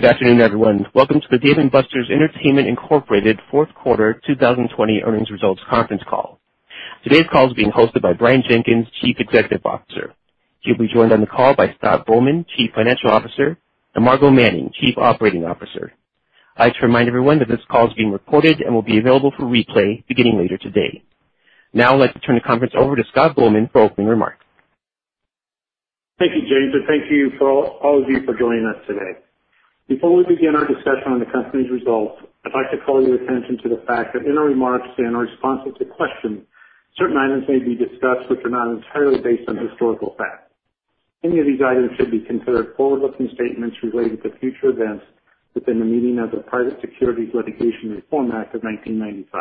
Good afternoon, everyone. Welcome to the Dave & Buster's Entertainment, Inc. fourth quarter 2020 earnings results conference call. Today's call is being hosted by Brian Jenkins, Chief Executive Officer. He'll be joined on the call by Scott Bowman, Chief Financial Officer, and Margo Manning, Chief Operating Officer. I'd like to remind everyone that this call is being recorded and will be available for replay beginning later today. Now I'd like to turn the conference over to Scott Bowman for opening remarks. Thank you, James, and thank you, all of you, for joining us today. Before we begin our discussion on the company's results, I'd like to call your attention to the fact that in our remarks and our responses to questions, certain items may be discussed which are not entirely based on historical fact. Any of these items should be considered forward-looking statements related to future events within the meaning of the Private Securities Litigation Reform Act of 1995.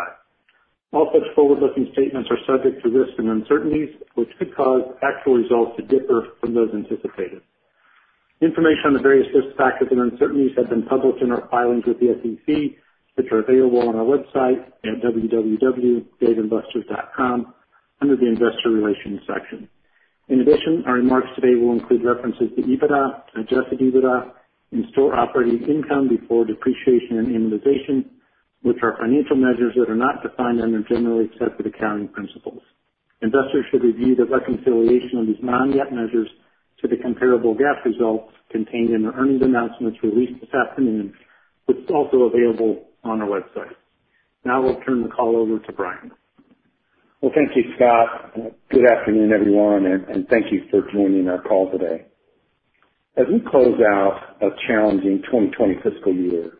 All such forward-looking statements are subject to risks and uncertainties, which could cause actual results to differ from those anticipated. Information on the various risk factors and uncertainties have been published in our filings with the SEC, which are available on our website at www.daveandbusters.com under the investor relations section. In addition, our remarks today will include references to EBITDA, adjusted EBITDA, and store operating income before depreciation and amortization, which are financial measures that are not defined under generally accepted accounting principles. Investors should review the reconciliation of these non-GAAP measures to the comparable GAAP results contained in the earnings announcements released this afternoon, which is also available on our website. Now I'll turn the call over to Brian. Thank you, Scott. Good afternoon, everyone, and thank you for joining our call today. As I close out a challenging 2020 fiscal year,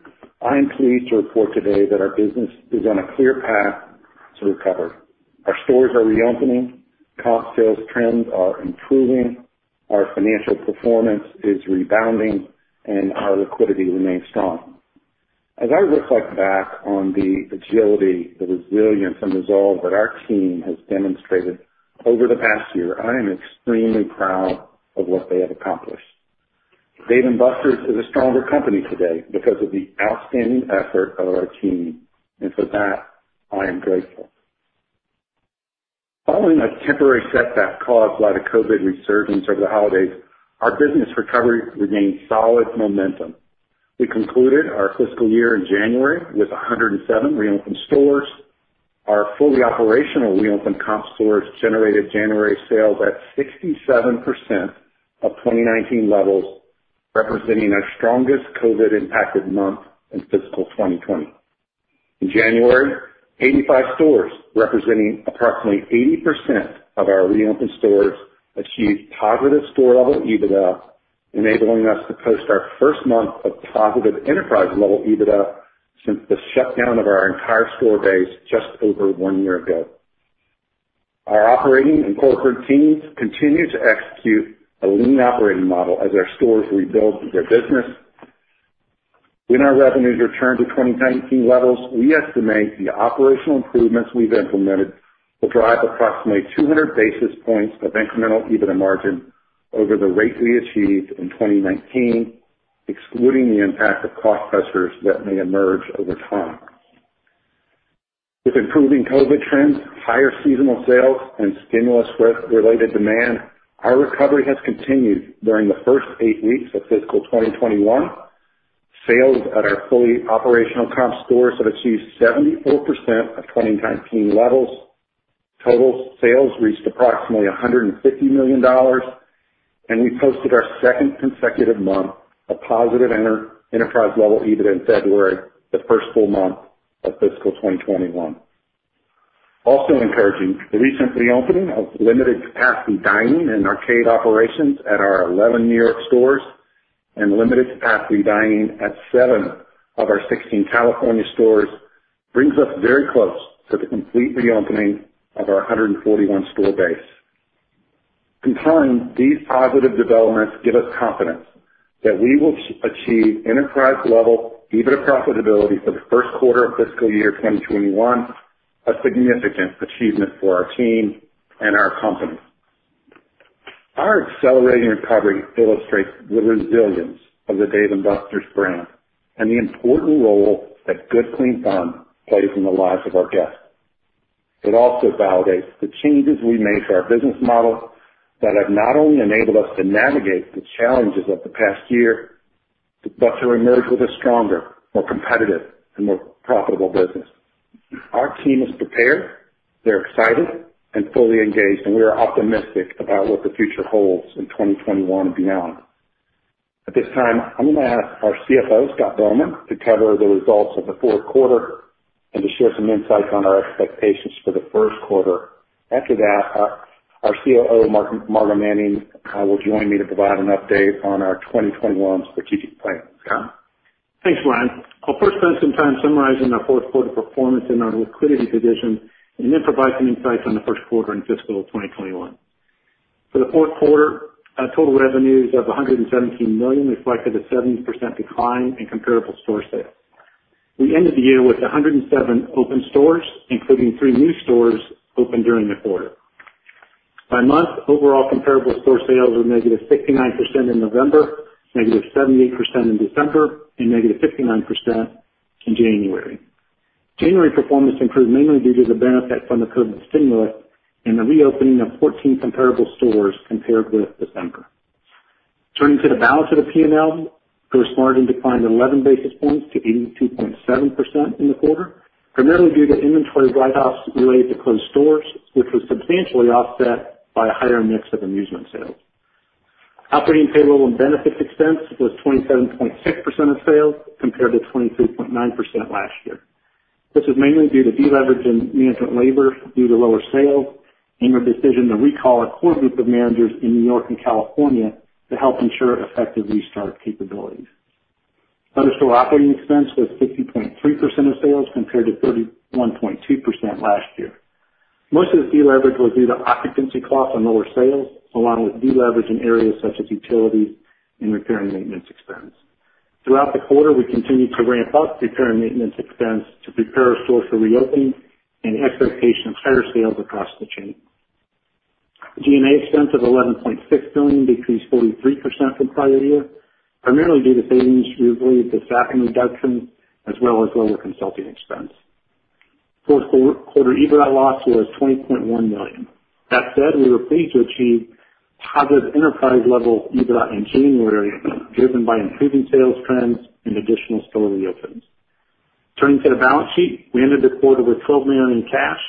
I am pleased to report today that our business is on a clear path to recovery. Our stores are reopening, comp sales trends are improving, our financial performance is rebounding, and our liquidity remains strong. As I reflect back on the agility, the resilience, and resolve that our team has demonstrated over the past year, I am extremely proud of what they have accomplished. Dave & Buster's is a stronger company today because of the outstanding effort of our team, and for that, I am grateful. Following a temporary setback caused by the COVID resurgence over the holidays, our business recovery remains solid momentum. We concluded our fiscal year in January with 107 reopened stores. Our fully operational reopened comp stores generated January sales at 67% of 2019 levels, representing our strongest COVID-impacted month in fiscal 2020. In January, 85 stores, representing approximately 80% of our reopened stores, achieved positive store-level EBITDA, enabling us to post our first month of positive enterprise-level EBITDA since the shutdown of our entire store base just over one year ago. Our operating and corporate teams continue to execute a lean operating model as our stores rebuild their business. When our revenues return to 2019 levels, we estimate the operational improvements we've implemented will drive approximately 200 basis points of incremental EBITDA margin over the rate we achieved in 2019, excluding the impact of cost pressures that may emerge over time. With improving COVID trends, higher seasonal sales, and stimulus-related demand, our recovery has continued during the first eight weeks of fiscal 2021. Sales at our fully operational comp stores have achieved 74% of 2019 levels. Total sales reached approximately $150 million, and we posted our second consecutive month of positive enterprise-level EBITDA in February, the first full month of fiscal 2021. Also encouraging, the recent reopening of limited capacity dining and arcade operations at our 11 New York stores and limited capacity dining at 6 of our 16 California stores brings us very close to the complete reopening of our 141-store base. In turn, these positive developments give us confidence that we will achieve enterprise-level EBITDA profitability for the first quarter of fiscal year 2021, a significant achievement for our team and our company. Our accelerating recovery illustrates the resilience of the Dave & Buster's brand and the important role that good, clean fun plays in the lives of our guests. It also validates the changes we made to our business model that have not only enabled us to navigate the challenges of the past year, but to emerge with a stronger, more competitive, and more profitable business. Our team is prepared, they're excited, and fully engaged, and we are optimistic about what the future holds in 2021 and beyond. At this time, I'm going to ask our CFO, Scott Bowman, to cover the results of the fourth quarter and to share some insights on our expectations for the first quarter. After that, our COO, Margo Manning, will join me to provide an update on our 2021 strategic plan. Scott? Thanks, Brian. I'll first spend some time summarizing our fourth quarter performance and our liquidity position and then provide some insights on the first quarter in fiscal 2021. For the fourth quarter, our total revenues of $117 million reflected a 70% decline in comparable store sales. We ended the year with 107 open stores, including three new stores opened during the quarter. By month, overall comparable store sales were negative 69% in November, negative 78% in December, and negative 59% in January. January performance improved mainly due to the benefit from the COVID stimulus and the reopening of 14 comparable stores compared with December. Turning to the balance of the P&L, gross margin declined 11 basis points to 82.7% in the quarter, primarily due to inventory write-offs related to closed stores, which was substantially offset by a higher mix of amusement sales. Operating payroll and benefit expense was 27.6% of sales, compared to 22.9% last year. This was mainly due to de-leveraging management labor due to lower sales and our decision to recall our core group of managers in New York and California to help ensure effective restart capabilities. Other store operating expense was 50.3% of sales, compared to 31.2% last year. Most of the deleverage was due to occupancy costs on lower sales, along with deleverage in areas such as utilities and repair and maintenance expense. Throughout the quarter, we continued to ramp up repair and maintenance expense to prepare our stores for reopening and expectation of higher sales across the chain. G&A expense of $11.6 million decreased 43% from prior year, primarily due to savings related to staffing reductions as well as lower consulting expense. Fourth quarter EBITDA loss was $20.1 million. That said, we were pleased to achieve positive enterprise level EBITDA in January, driven by improving sales trends and additional store reopens. Turning to the balance sheet, we ended the quarter with $12 million in cash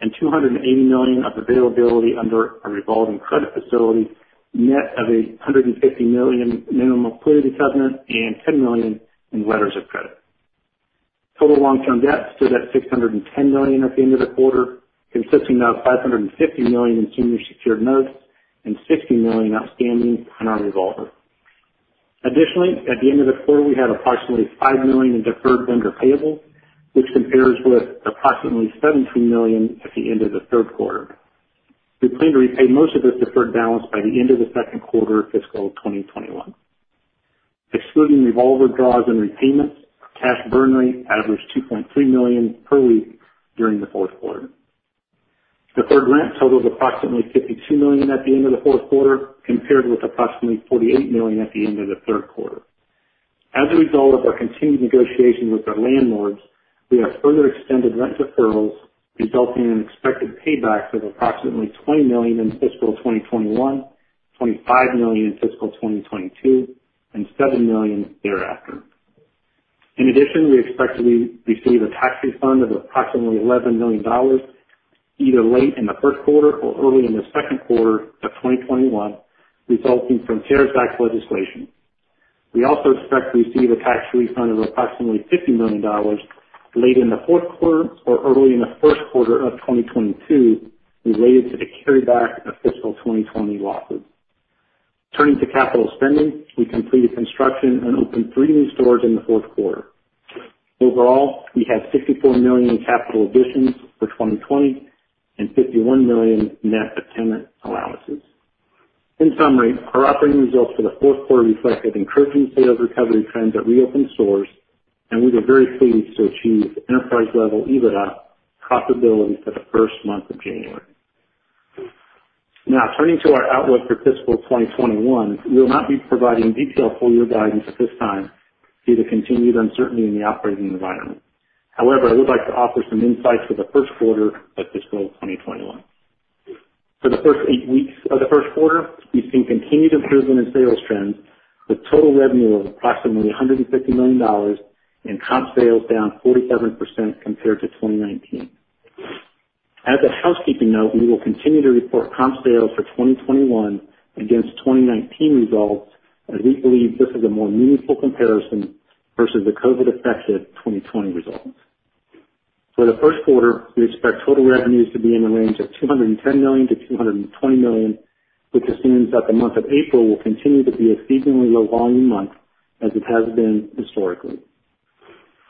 and $280 million of availability under our revolving credit facility, net of a $150 million minimum liquidity covenant and $10 million in letters of credit. Total long-term debt stood at $610 million at the end of the quarter, consisting of $550 million in senior secured notes and $60 million outstanding on our revolver. Additionally, at the end of the quarter, we had approximately $5 million in deferred vendor payables, which compares with approximately $17 million at the end of the third quarter. We plan to repay most of this deferred balance by the end of the second quarter of fiscal 2021. Excluding revolver draws and repayments, our cash burn rate averaged $2.3 million per week during the fourth quarter. Deferred rent totaled approximately $52 million at the end of the fourth quarter, compared with approximately $48 million at the end of the third quarter. As a result of our continued negotiation with our landlords, we have further extended rent deferrals, resulting in an expected payback of approximately $20 million in fiscal 2021, $25 million in fiscal 2022, and $7 million thereafter. In addition, we expect to receive a tax refund of approximately $11 million either late in the first quarter or early in the second quarter of 2021, resulting from CARES Act legislation. We also expect to receive a tax refund of approximately $50 million late in the fourth quarter or early in the first quarter of 2022, related to the carryback of fiscal 2020 losses. Turning to capital spending, we completed construction and opened three new stores in the fourth quarter. Overall, we had $54 million in capital additions for 2020 and $51 million net of tenant allowances. In summary, our operating results for the fourth quarter reflected encouraging sales recovery trends at reopened stores, and we were very pleased to achieve enterprise-level EBITDA profitability for the first month of January. Now, turning to our outlook for fiscal 2021, we will not be providing detailed full-year guidance at this time due to continued uncertainty in the operating environment. However, I would like to offer some insights for the first quarter of fiscal 2021. For the first eight weeks of the first quarter, we've seen continued improvement in sales trends with total revenue of approximately $150 million and comp sales down 47% compared to 2019. As a housekeeping note, we will continue to report comp sales for 2021 against 2019 results, as we believe this is a more meaningful comparison versus the COVID-affected 2020 results. For the first quarter, we expect total revenues to be in the range of $210 million-$220 million, which assumes that the month of April will continue to be a seasonally low volume month as it has been historically.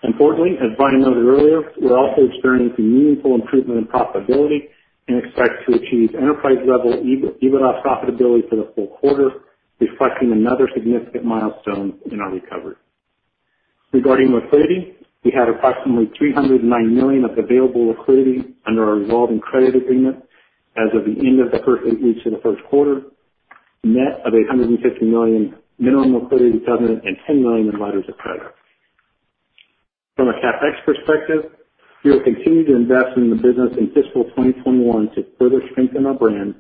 Importantly, as Brian noted earlier, we're also experiencing meaningful improvement in profitability and expect to achieve enterprise-level EBITDA profitability for the full quarter, reflecting another significant milestone in our recovery. Regarding liquidity, we had approximately $309 million of available liquidity under our revolving credit agreement as of the end of the first eight weeks of the first quarter, net of a $150 million minimum liquidity covenant and $10 million in letters of credit. From a CapEx perspective, we will continue to invest in the business in fiscal 2021 to further strengthen our brand,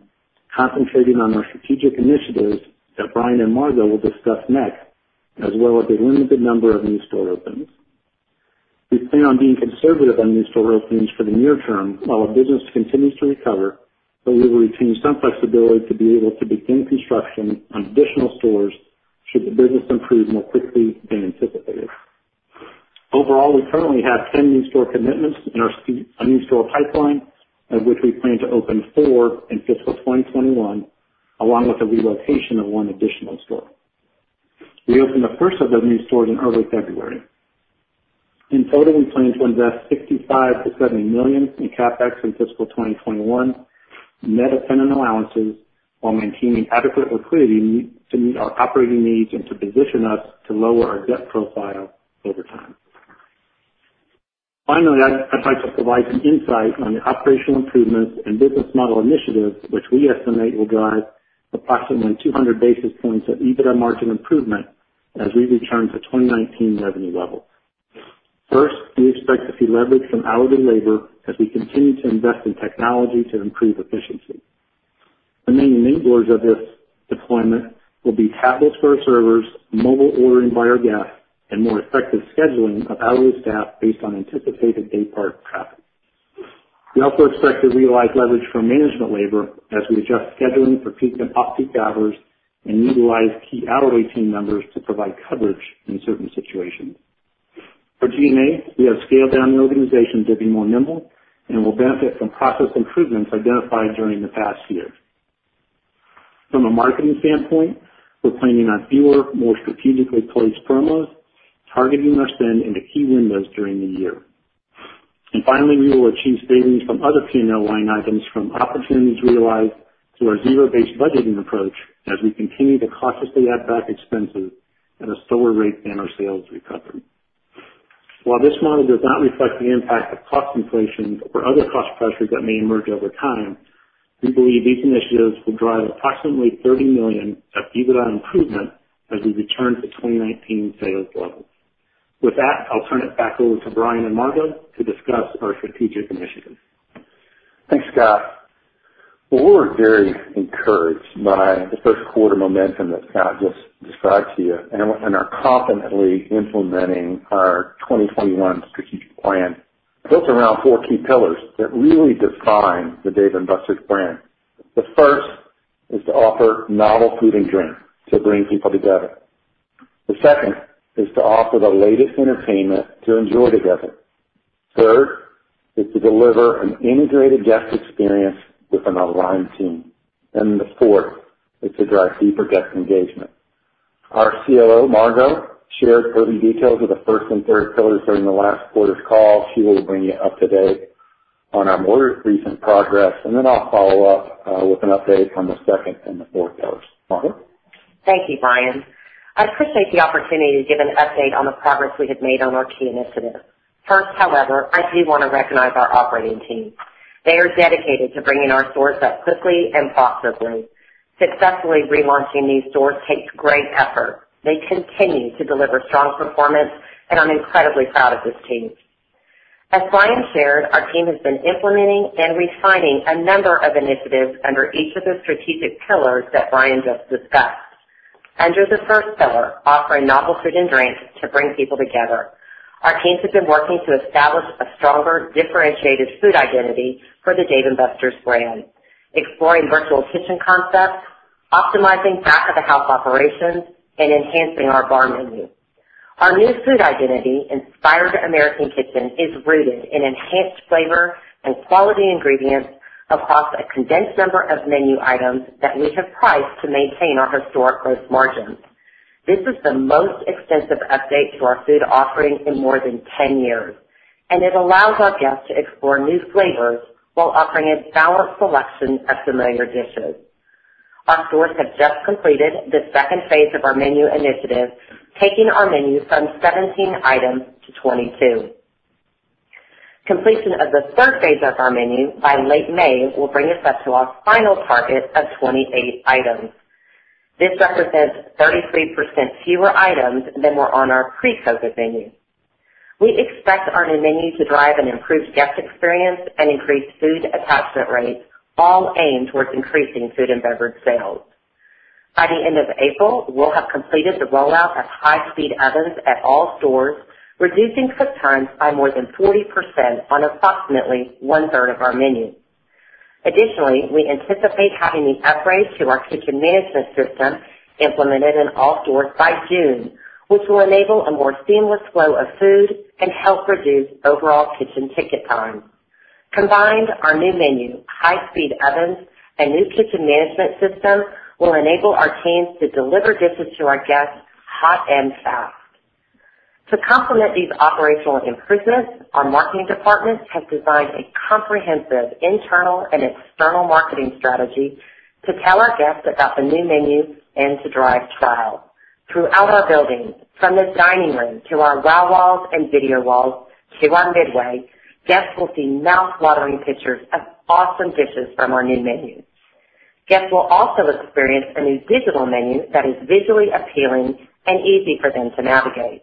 concentrating on our strategic initiatives that Brian and Margo will discuss next, as well as a limited number of new store openings. We plan on being conservative on new store openings for the near term while our business continues to recover, but we will retain some flexibility to be able to begin construction on additional stores should the business improve more quickly than anticipated. Overall, we currently have 10 new store commitments in our new store pipeline, of which we plan to open four in fiscal 2021, along with the relocation of one additional store. We opened the first of those new stores in early February. In total, we plan to invest $65 million-$70 million in CapEx in fiscal 2021, net of tenant allowances, while maintaining adequate liquidity to meet our operating needs and to position us to lower our debt profile over time. Finally, I'd like to provide some insight on the operational improvements and business model initiatives, which we estimate will drive approximately 200 basis points of EBITDA margin improvement. As we return to 2019 revenue levels, first, we expect to see leverage from hourly labor as we continue to invest in technology to improve efficiency. The main enablers of this deployment will be tablets for our servers, mobile ordering by our guests, and more effective scheduling of hourly staff based on anticipated daypart traffic. We also expect to realize leverage from management labor as we adjust scheduling for peak and off-peak hours and utilize key hourly team members to provide coverage in certain situations. For G&A, we have scaled down the organization to be more nimble and will benefit from process improvements identified during the past year. From a marketing standpoint, we're planning on fewer, more strategically placed promos, targeting our spend in the key windows during the year. Finally, we will achieve savings from other P&L line items from opportunities realized through our zero-based budgeting approach as we continue to cautiously add back expenses at a slower rate than our sales recovery. While this model does not reflect the impact of cost inflation or other cost pressures that may emerge over time, we believe these initiatives will drive approximately $30 million of EBITDA improvement as we return to 2019 sales levels. With that, I'll turn it back over to Brian and Margo to discuss our strategic initiatives. Thanks, Scott. Well, we're very encouraged by the first quarter momentum that Scott just described to you and are confidently implementing our 2021 strategic plan built around four key pillars that really define the Dave & Buster's brand. The first is to offer novel food and drink to bring people together. The second is to offer the latest entertainment to enjoy together. Third is to deliver an integrated guest experience with an an aligned team. The fourth is to drive deeper guest engagement. Our COO, Margo, shared certain details of the first and third pillars during the last quarter's call. She will bring you up to date on our more recent progress, and then I'll follow up with an update on the second and the fourth pillars. Margo? Thank you, Brian. I appreciate the opportunity to give an update on the progress we have made on our key initiatives. First, however, I do want to recognize our operating team. They are dedicated to bringing our stores up quickly and profitably. Successfully relaunching these stores takes great effort. They continue to deliver strong performance, and I'm incredibly proud of this team. As Brian shared, our team has been implementing and refining a number of initiatives under each of the strategic pillars that Brian just discussed. Under the first pillar, offering novel food and drinks to bring people together, our teams have been working to establish a stronger, differentiated food identity for the Dave & Buster's brand, exploring virtual kitchen concepts, optimizing back-of-the-house operations, and enhancing our bar menu. Our new food identity, Inspired American Kitchen, is rooted in enhanced flavor and quality ingredients across a condensed number of menu items that we have priced to maintain our historic gross margins. This is the most extensive update to our food offering in more than 10 years, and it allows our guests to explore new flavors while offering a balanced selection of familiar dishes. Our stores have just completed the second phase of our menu initiative, taking our menu from 17 items to 22. Completion of the third phase of our menu by late May will bring us up to our final target of 28 items. This represents 33% fewer items than were on our pre-COVID menu. We expect our new menu to drive an improved guest experience and increase food attachment rates, all aimed towards increasing food and beverage sales. By the end of April, we'll have completed the rollout of high-speed ovens at all stores, reducing cook times by more than 40% on approximately 1/3 of our menu. Additionally, we anticipate having the upgrades to our kitchen management system implemented in all stores by June, which will enable a more seamless flow of food and help reduce overall kitchen ticket time. Combined, our new menu, high-speed ovens, and new kitchen management system will enable our teams to deliver dishes to our guests hot and fast. To complement these operational improvements, our marketing department has designed a comprehensive internal and external marketing strategy to tell our guests about the new menu and to drive trial. Throughout our buildings, from this dining room to our WOW walls and video walls to on midway, guests will see mouth-watering pictures of awesome dishes from our new menu. Guests will also experience a new digital menu that is visually appealing and easy for them to navigate.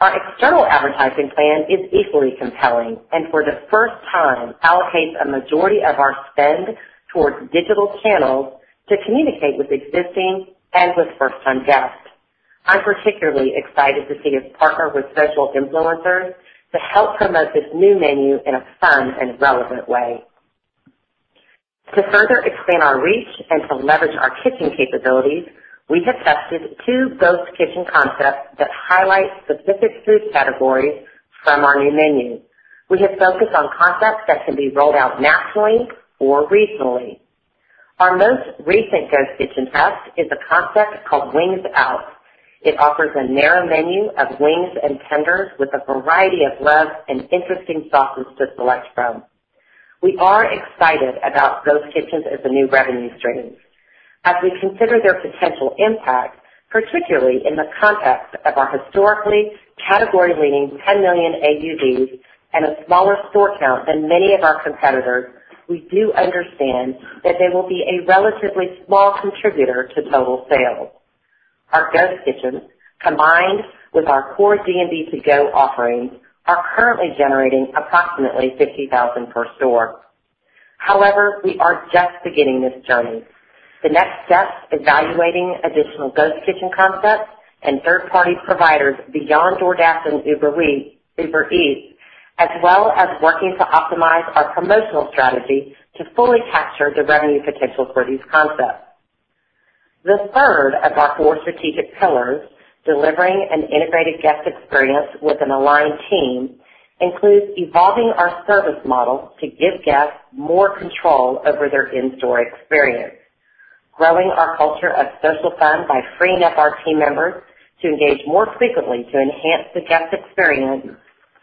Our external advertising plan is equally compelling and, for the first time, allocates a majority of our spend towards digital channels to communicate with existing and with first-time guests. I'm particularly excited to see us partner with social influencers to help promote this new menu in a fun and relevant way. To further expand our reach and to leverage our kitchen capabilities, we have tested two ghost kitchen concepts that highlight specific food categories from our new menu. We have focused on concepts that can be rolled out nationally or regionally. Our most recent ghost kitchen test is a concept called Wings Out. It offers a narrow menu of wings and tenders with a variety of new and interesting sauces to select from. We are excited about ghost kitchens as a new revenue stream. As we consider their potential impact, particularly in the context of our historically category leading $10 million EBITDA and a smaller store count than many of our competitors, we do understand that they will be a relatively small contributor to total sales. Our ghost kitchens, combined with our core D&B To-Go offerings, are currently generating approximately $50,000 per store. However, we are just beginning this journey. The next step, evaluating additional ghost kitchen concepts and third-party providers beyond DoorDash and Uber Eats, as well as working to optimize our promotional strategy to fully capture the revenue potential for these concepts. The third of our four strategic pillars, delivering an integrated guest experience with an aligned team, includes evolving our service models to give guests more control over their in-store experience, growing our culture of social fun by freeing up our team members to engage more frequently to enhance the guest experience,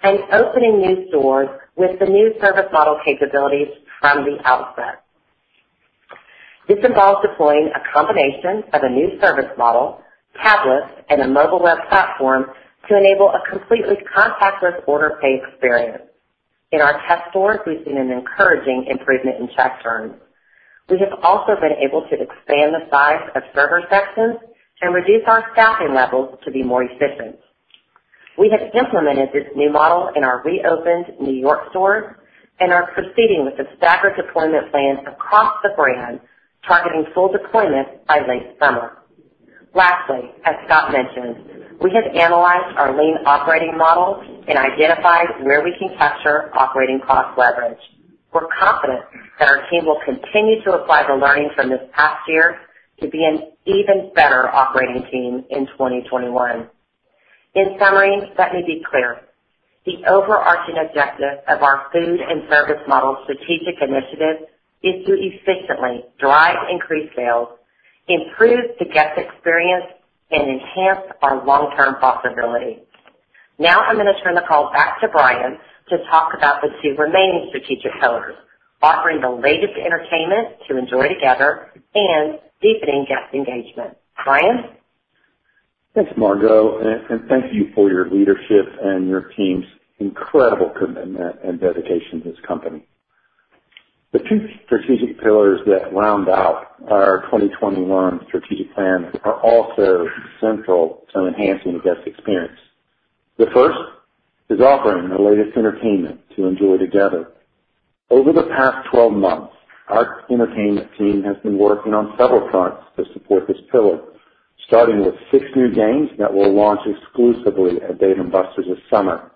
and opening new stores with the new service model capabilities from the outset. This involves deploying a combination of a new service model, tablets, and a mobile web platform to enable a completely contactless order pay experience. In our test stores, we've seen an encouraging improvement in check turns. We have also been able to expand the size of server sections and reduce our staffing levels to be more efficient. We have implemented this new model in our reopened New York stores and are proceeding with a staggered deployment plan across the brand, targeting full deployment by late summer. Lastly, as Scott mentioned, we have analyzed our lean operating models and identified where we can capture operating cost leverage. We're confident that our team will continue to apply the learnings from this past year to be an even better operating team in 2021. In summary, let me be clear, the overarching objective of our food and service model strategic initiative is to efficiently drive increased sales, improve the guest experience, and enhance our long-term profitability. Now, I'm going to turn the call back to Brian to talk about the two remaining strategic pillars: offering the latest entertainment to enjoy together and deepening guest engagement. Brian? Thanks, Margo, and thank you for your leadership and your team's incredible commitment and dedication to this company. The two strategic pillars that round out our 2021 strategic plan are also central to enhancing the guest experience. The first is offering the latest entertainment to enjoy together. Over the past 12 months, our entertainment team has been working on several fronts to support this pillar, starting with six new games that will launch exclusively at Dave & Buster's this summer.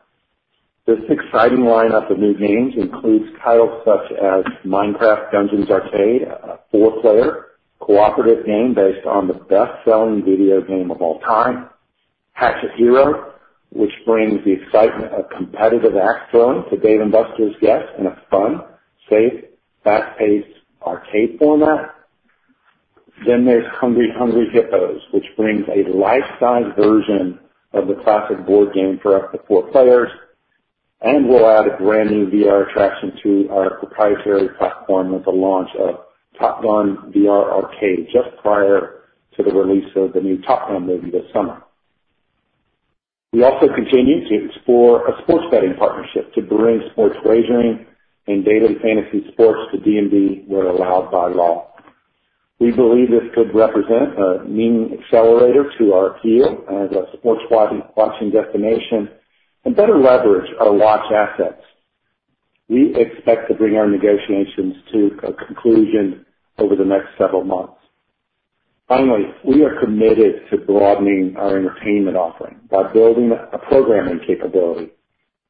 This exciting lineup of new games includes titles such as Minecraft Dungeons Arcade, a four-player cooperative game based on the best-selling video game of all time. Hatchet Hero, which brings the excitement of competitive axe throwing to Dave & Buster's guests in a fun, safe, fast-paced arcade format. There's Hungry Hungry Hippos, which brings a life-size version of the classic board game for up to four players. We'll add a brand-new VR attraction to our proprietary platform with the launch of Top Gun VR Arcade just prior to the release of the new Top Gun movie this summer. We also continue to explore a sports betting partnership to bring sports wagering and daily fantasy sports to D&B where allowed by law. We believe this could represent a meaningful accelerator to our appeal as a sports watching destination and better leverage our watch assets. We expect to bring our negotiations to a conclusion over the next several months. Finally, we are committed to broadening our entertainment offering by building a programming capability.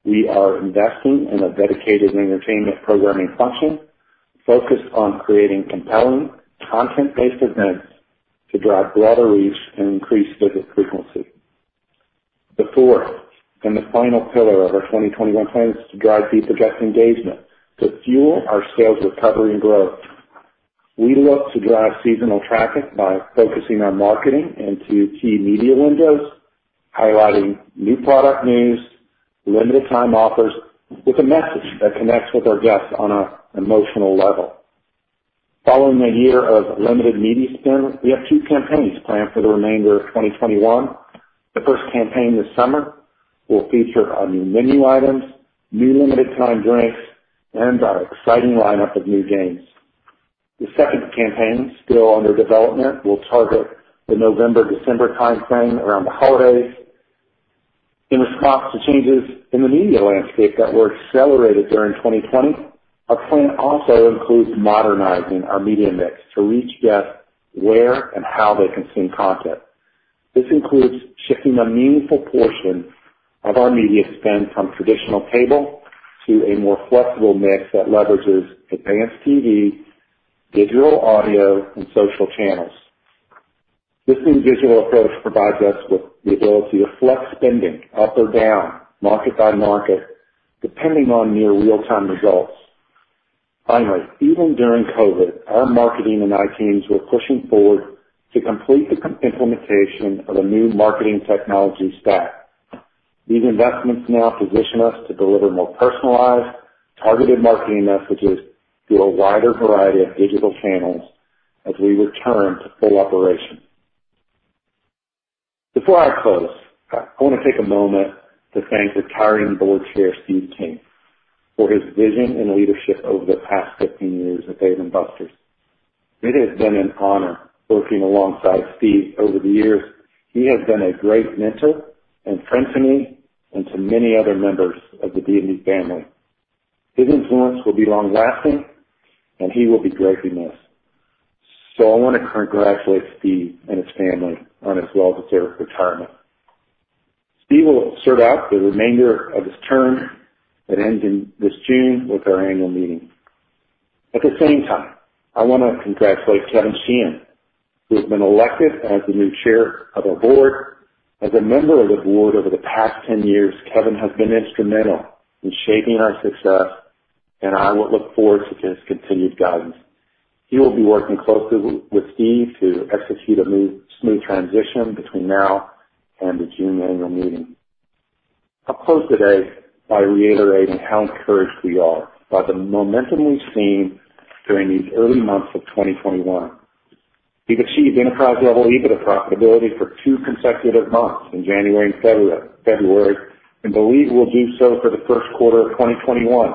We are investing in a dedicated entertainment programming function focused on creating compelling content-based events to drive broader reach and increase visit frequency. The fourth and the final pillar of our 2021 plan is to drive deeper guest engagement to fuel our sales recovery and growth. We look to drive seasonal traffic by focusing on marketing into key media windows, highlighting new product news, limited time offers with a message that connects with our guests on an emotional level. Following a year of limited media spend, we have two campaigns planned for the remainder of 2021. The first campaign this summer will feature our new menu items, new limited time drinks, and our exciting lineup of new games. The second campaign, still under development, will target the November, December timeframe around the holidays. In response to changes in the media landscape that were accelerated during 2020, our plan also includes modernizing our media mix to reach guests where and how they consume content. This includes shifting a meaningful portion of our media spend from traditional cable to a more flexible mix that leverages advanced TV, digital audio, and social channels. This individual approach provides us with the ability to flex spending up or down market by market, depending on near real-time results. Finally, even during COVID, our marketing and IT teams were pushing forward to complete the implementation of a new marketing technology stack. These investments now position us to deliver more personalized, targeted marketing messages through a wider variety of digital channels as we return to full operation. Before I close, I want to take a moment to thank retiring board chair, Steve King, for his vision and leadership over the past 15 years at Dave & Buster's. It has been an honor working alongside Steve over the years. He has been a great mentor and friend to me and to many other members of the D&B family. His influence will be long-lasting, and he will be greatly missed. I want to congratulate Steve and his family on his well-deserved retirement. Steve will serve out the remainder of his term that ends this June with our annual meeting. At the same time, I want to congratulate Kevin Sheehan, who has been elected as the new chair of our board. As a member of the board over the past 10 years, Kevin has been instrumental in shaping our success, and I look forward to his continued guidance. He will be working closely with Steve to execute a smooth transition between now and the June annual meeting. I'll close today by reiterating how encouraged we are by the momentum we've seen during these early months of 2021. We've achieved enterprise-level EBITDA profitability for two consecutive months in January and February, and believe we'll do so for the first quarter of 2021,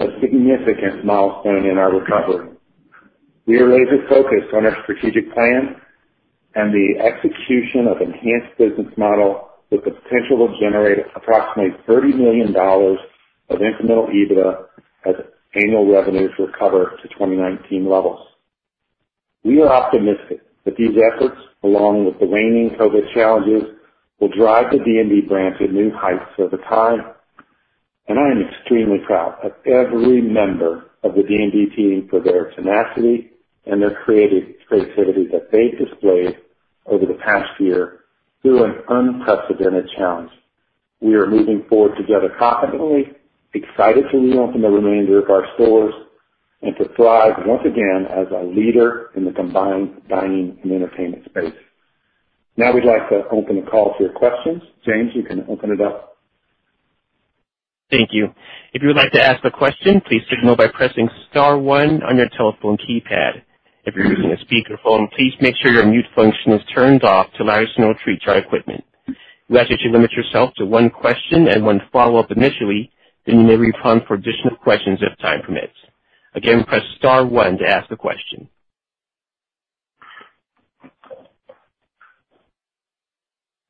a significant milestone in our recovery. We are laser-focused on our strategic plan and the execution of enhanced business model with the potential to generate approximately $30 million of incremental EBITDA as annual revenues recover to 2019 levels. We are optimistic that these efforts, along with the waning COVID challenges, will drive the D&B brand to new heights over time, and I am extremely proud of every member of the D&B team for their tenacity and their creativity that they've displayed over the past year through an unprecedented challenge. We are moving forward together confidently, excited to reopen the remainder of our stores and to thrive once again as a leader in the combined dining and entertainment space. Now we'd like to open the call to your questions. James, you can open it up. Thank you. If you would like to ask a question, please signal by pressing star one on your telephone keypad. If you're using a speakerphone, please make sure your mute function is turned off to allow us to monitor our equipment. We ask that you limit yourself to one question and one follow-up initially, then you may respond for additional questions if time permits. Again, press star one to ask the question.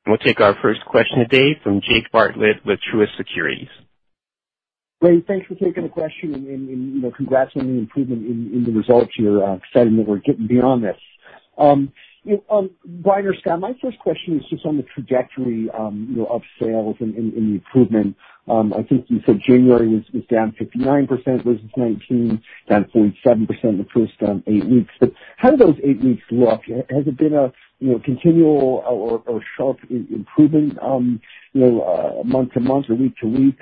We'll take our first question today from Jake Bartlett with Truist Securities. Great, thanks for taking the question and congrats on the improvement in the results here. Excited that we're getting beyond this. Brian or Scott, my first question is just on the trajectory of sales and the improvement. I think you said January was down 59% versus 2019, down 47% in the first eight weeks. How do those eight weeks look? Has it been a continual or sharp improvement month-over-month or week-over-week?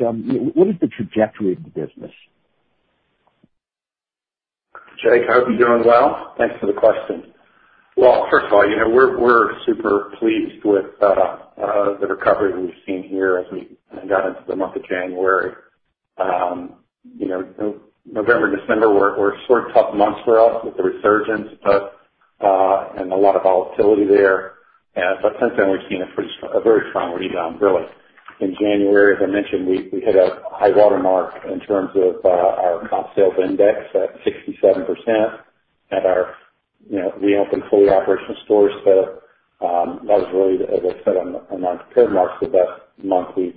What is the trajectory of the business? Jake, hope you're doing well. Thanks for the question. First of all, we're super pleased with the recovery we've seen here as we got into the month of January. November, December were sort of tough months for us with the resurgence and a lot of volatility there. Since then, we've seen a very strong rebound, really. In January, as I mentioned, we hit a high water mark in terms of our comp sales index at 67% at our reopened, fully operational stores. That was really, as I said, a month period marked the best monthly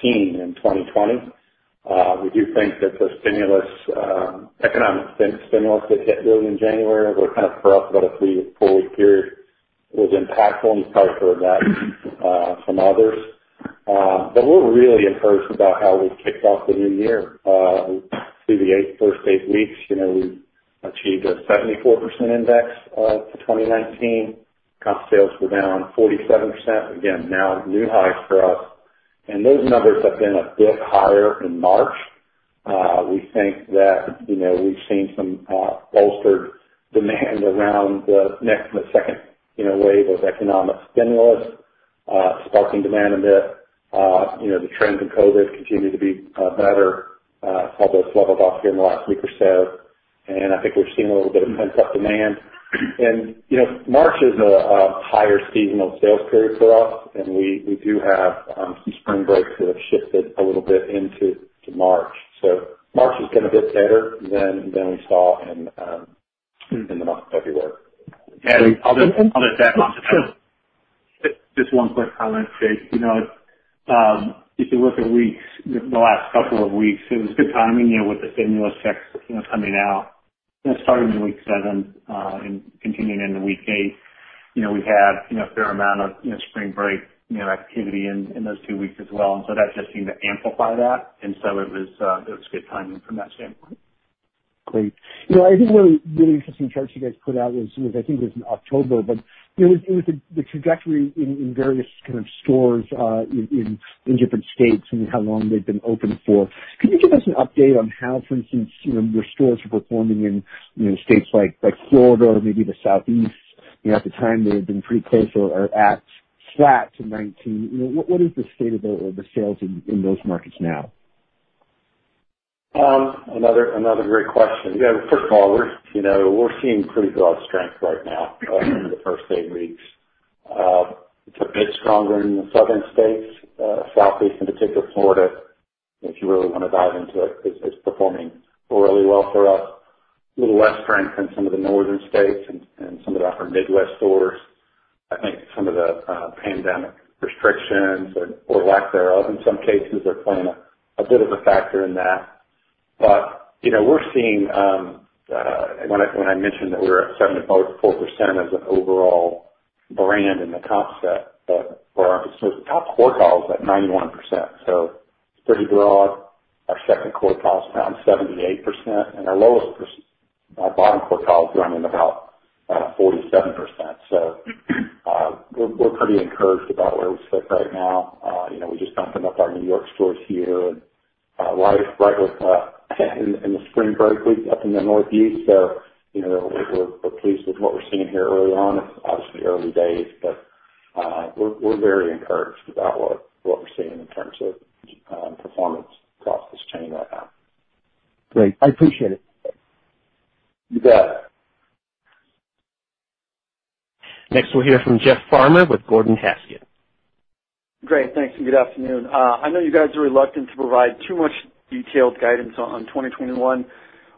theme in 2020. We do think that the economic stimulus that hit early in January, kind of for us, about a three-four week period, was impactful, and you probably heard that from others. We're really encouraged about how we've kicked off the new year. Through the first eight weeks, we've achieved a 74% index off 2019. Comp sales were down 47%, again, now at new highs for us, and those numbers have been a bit higher in March. We think that we've seen some bolstered demand around the second wave of economic stimulus sparking demand a bit. The trends in COVID continue to be better, although it's leveled off here in the last week or so, and I think we're seeing a little bit of pent-up demand. March is a higher seasonal sales period for us, and we do have some spring breaks that have shifted a little bit into March. March is going to be better than we saw in the month of February. And- I'll just add on to that. Sure. Just one quick comment, Jake. If you look at weeks, the last couple of weeks, it was good timing with the stimulus checks coming out, starting in week seven and continuing into week eight. We had a fair amount of spring break activity in those two weeks as well, and so that just seemed to amplify that, and so it was good timing from that standpoint. Great. I think one really interesting chart you guys put out was, I think it was in October, but it was the trajectory in various kind of stores in different states and how long they've been open for. Could you give us an update on how, for instance, your stores are performing in states like Florida or maybe the Southeast? At the time, they had been pretty close or at flat to 2019. What is the state of the sales in those markets now? Another great question. First of all, we're seeing pretty broad strength right now over the first eight weeks. Stronger in the southern states, Southeast in particular, Florida, if you really want to dive into it, is performing really well for us. A little less strength in some of the northern states and some of our Midwest stores. I think some of the pandemic restrictions or lack thereof in some cases are playing a bit of a factor in that. We're seeing, when I mentioned that we were at 74% as an overall brand in the concept, but for our top quartile is at 91%, so it's pretty broad. Our second quartile is around 78%, and our bottom quartile is running about 47%. We're pretty encouraged about where we sit right now. We just opened up our New York stores here and right with in the spring break week up in the Northeast. We're pleased with what we're seeing here early on. It's obviously early days, but we're very encouraged about what we're seeing in terms of performance across this chain right now. Great. I appreciate it. You bet. Next, we'll hear from Jeff Farmer with Gordon Haskett. Great. Thanks. Good afternoon. I know you guys are reluctant to provide too much detailed guidance on 2021,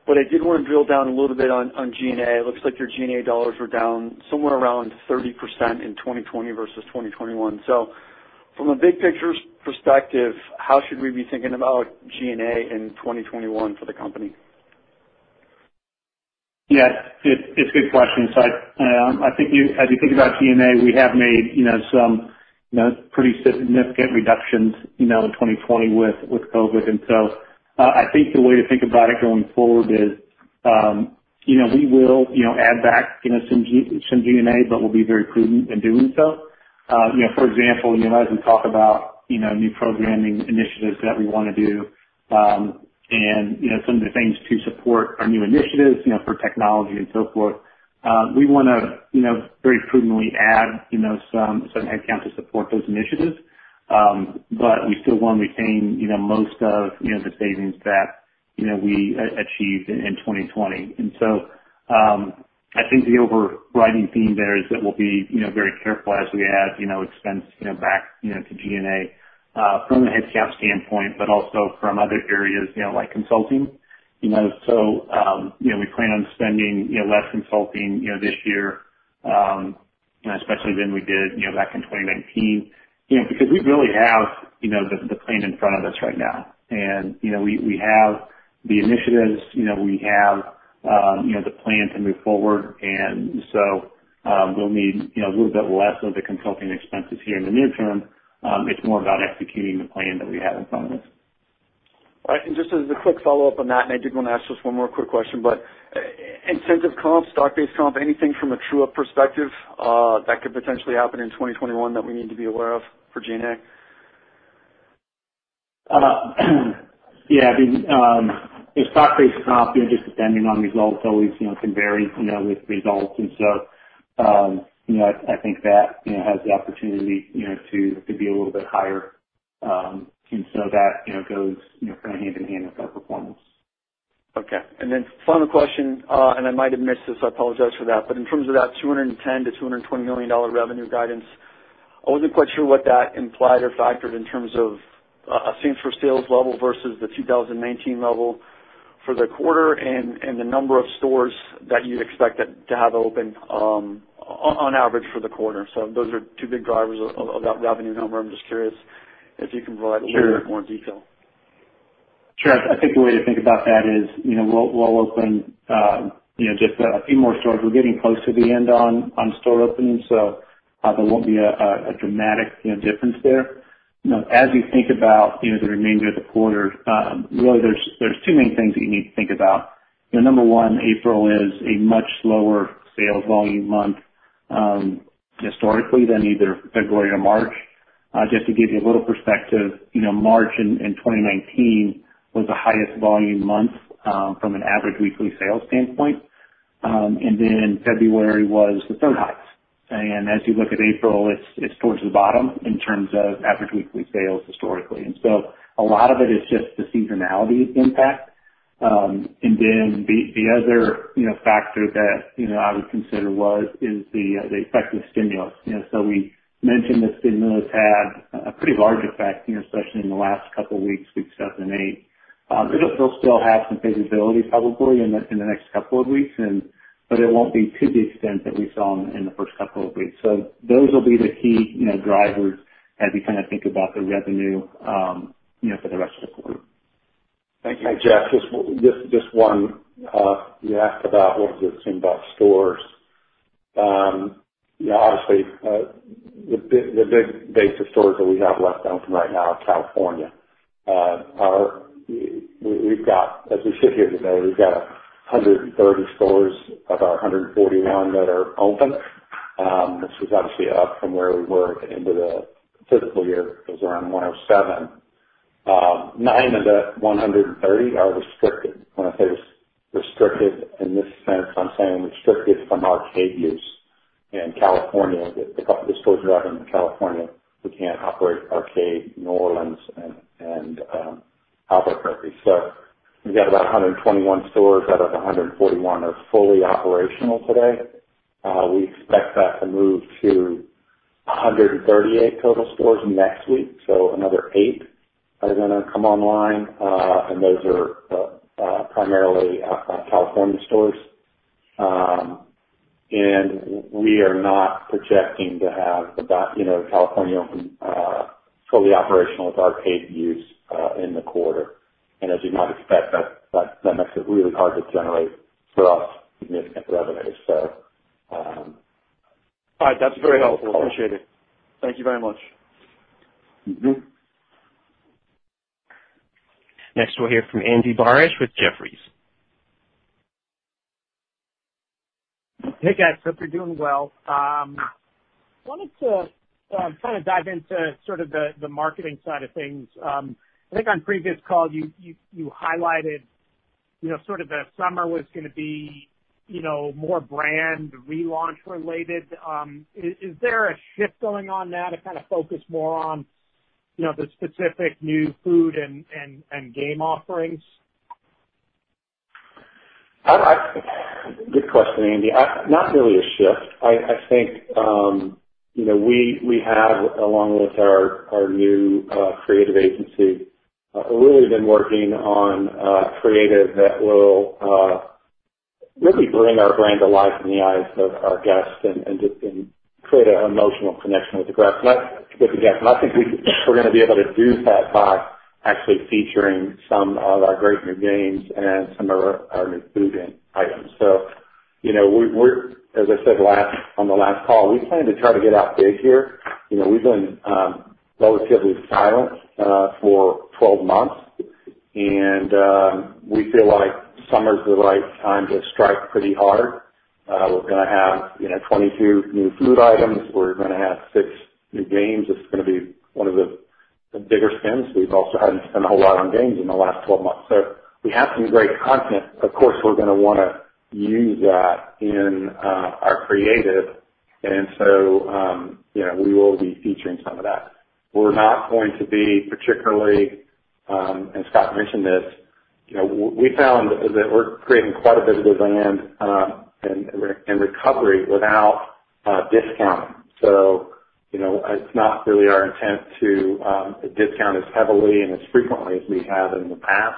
I did want to drill down a little bit on G&A. It looks like your G&A dollars were down somewhere around 30% in 2020 versus 2021. From a big picture perspective, how should we be thinking about G&A in 2021 for the company? It's a good question. I think as you think about G&A, we have made some pretty significant reductions in 2020 with COVID. I think the way to think about it going forward is we will add back some G&A, but we'll be very prudent in doing so. For example, as we talk about new programming initiatives that we want to do and some of the things to support our new initiatives for technology and so forth, we want to very prudently add some headcount to support those initiatives. We still want to retain most of the savings that we achieved in 2020. I think the overriding theme there is that we'll be very careful as we add expense back to G&A from the headcount standpoint, but also from other areas like consulting. We plan on spending less consulting this year, especially than we did back in 2019, because we really have the plan in front of us right now. We have the initiatives, we have the plan to move forward. We'll need a little bit less of the consulting expenses here in the near term. It's more about executing the plan that we have in front of us. All right. Just as a quick follow-up on that, and I did want to ask just one more quick question, but incentive comp, stock-based comp, anything from a true-up perspective that could potentially happen in 2021 that we need to be aware of for G&A? Yeah. Stock-based comp, just depending on results, always can vary with results. I think that has the opportunity to be a little bit higher. That goes hand in hand with our performance. Okay. Final question, I might have missed this. I apologize for that. In terms of that $210 million-$220 million revenue guidance, I wasn't quite sure what that implied or factored in terms of same-store sales level versus the 2019 level for the quarter and the number of stores that you expected to have open on average for the quarter. Those are two big drivers of that revenue number. I'm just curious if you can provide a little bit more detail. Sure. I think the way to think about that is we'll open just a few more stores. We're getting close to the end on store openings, so there won't be a dramatic difference there. As you think about the remainder of the quarter, really there's two main things that you need to think about. Number one, April is a much slower sales volume month historically than either February or March. Just to give you a little perspective, March in 2019 was the highest volume month from an average weekly sales standpoint. February was the third highest. As you look at April, it's towards the bottom in terms of average weekly sales historically. A lot of it is just the seasonality impact. The other factor that I would consider is the effect of the stimulus. We mentioned the stimulus had a pretty large effect, especially in the last couple of weeks seven and eight. It'll still have some visibility probably in the next couple of weeks, but it won't be to the extent that we saw in the first couple of weeks. Those will be the key drivers as we think about the revenue for the rest of the quarter. Thank you. Hey, Jeff, just one. You asked about what was the same box stores. Obviously, the big base of stores that we have left open right now is California. As you sit here today, we've got 130 stores of our 141 that are open. This is obviously up from where we were at the end of the fiscal year. It was around 107. Nine of the 130 are restricted. When I say restricted in this sense, I'm saying restricted from arcade use. In California, the stores we have in California, we can't operate arcade, New Orleans, and Albuquerque. We've got about 121 stores out of 141 are fully operational today. We expect that to move to 138 total stores next week, so another eight are going to come online, and those are primarily out in our California stores. We are not projecting to have the California open fully operational with arcade use in the quarter. As you might expect, that makes it really hard to generate, for us, significant revenue. All right. That's very helpful. Appreciate it. Thank you very much. Next, we'll hear from Andy Barish with Jefferies. Hey, guys. Hope you're doing well. Wanted to kind of dive into sort of the marketing side of things. I think on previous call, you highlighted sort of the summer was going to be more brand relaunch related. Is there a shift going on now to kind of focus more on the specific new food and game offerings? Good question, Andy. Not really a shift. I think we have, along with our new creative agency, really been working on creative that will really bring our brand to life in the eyes of our guests and just create an emotional connection with the guests. I think we're going to be able to do that by actually featuring some of our great new games and some of our new food items. We're, as I said on the last call, we plan to try to get out big here. We've been relatively silent for 12 months, and we feel like summer's the right time to strike pretty hard. We're going to have 22 new food items. We're going to have six new games. It's going to be one of the bigger spends. We've also hadn't spent a whole lot on games in the last 12 months. We have some great content. Of course, we're going to want to use that in our creative, we will be featuring some of that. We're not going to be particularly, and Scott mentioned this, we found that we're creating quite a bit of demand and recovery without discounting. It's not really our intent to discount as heavily and as frequently as we have in the past.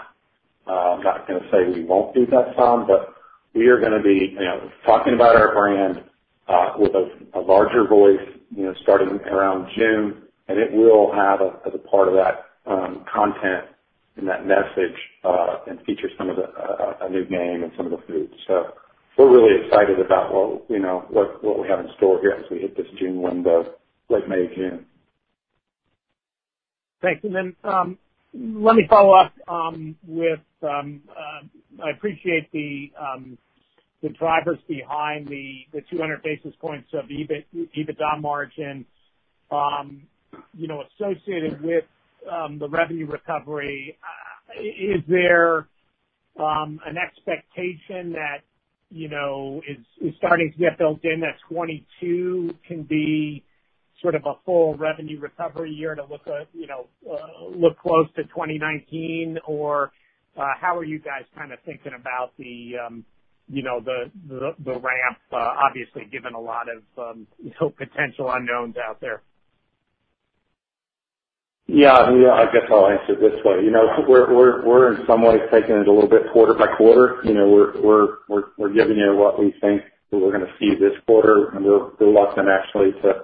I'm not going to say we won't do that some, we are going to be talking about our brand with a larger voice starting around June, it will have, as a part of that content and that message, feature a new game and some of the food. We're really excited about what we have in store here as we hit this June window. Late May, June. Thanks. I appreciate the drivers behind the 200 basis points of the EBITDA margin associated with the revenue recovery. Is there an expectation that is starting to get built in that 2022 can be sort of a full revenue recovery year to look close to 2019? How are you guys kind of thinking about the ramp, obviously, given a lot of potential unknowns out there? Yeah. I guess I'll answer it this way. We're in some ways taking it a little bit quarter by quarter. We're giving you what we think that we're going to see this quarter, and we're reluctant actually to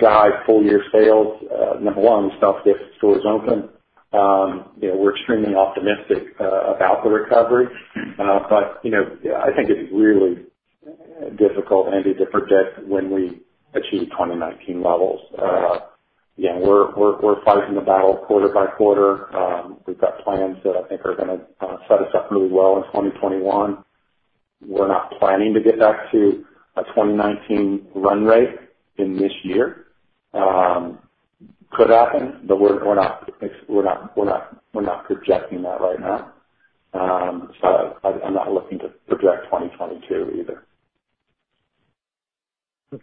guide full year sales. Number one, stuff gets stores open. We're extremely optimistic about the recovery. I think it's really difficult, Andy, to predict when we achieve 2019 levels. Again, we're fighting the battle quarter by quarter. We've got plans that I think are going to set us up really well in 2021. We're not planning to get back to a 2019 run rate in this year. Could happen, but we're not projecting that right now. I'm not looking to project 2022 either.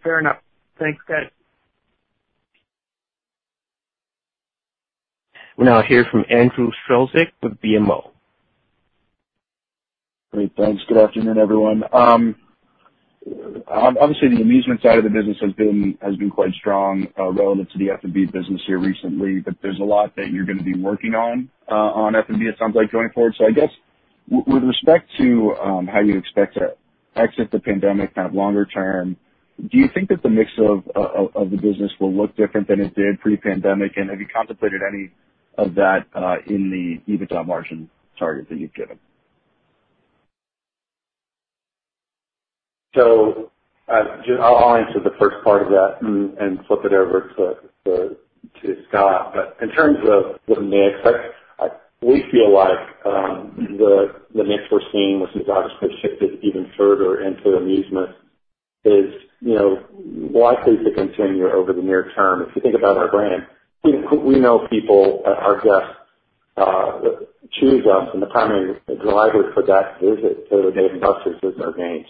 Fair enough. Thanks, guys. We'll now hear from Andrew Strelzik with BMO. Great. Thanks. Good afternoon, everyone. Obviously, the amusement side of the business has been quite strong relative to the F&B business here recently, but there's a lot that you're going to be working on F&B, it sounds like, going forward. I guess with respect to how you expect to exit the pandemic kind of longer term, do you think that the mix of the business will look different than it did pre-pandemic, and have you contemplated any of that in the EBITDA margin target that you've given? I'll answer the first part of that and flip it over to Scott. In terms of the mix, we feel like the mix we're seeing, which has obviously shifted even further into amusement, is likely to continue over the near term. If you think about our brand, we know people, our guests, choose us, and the primary drivers for that visit to a Dave & Buster's is our games.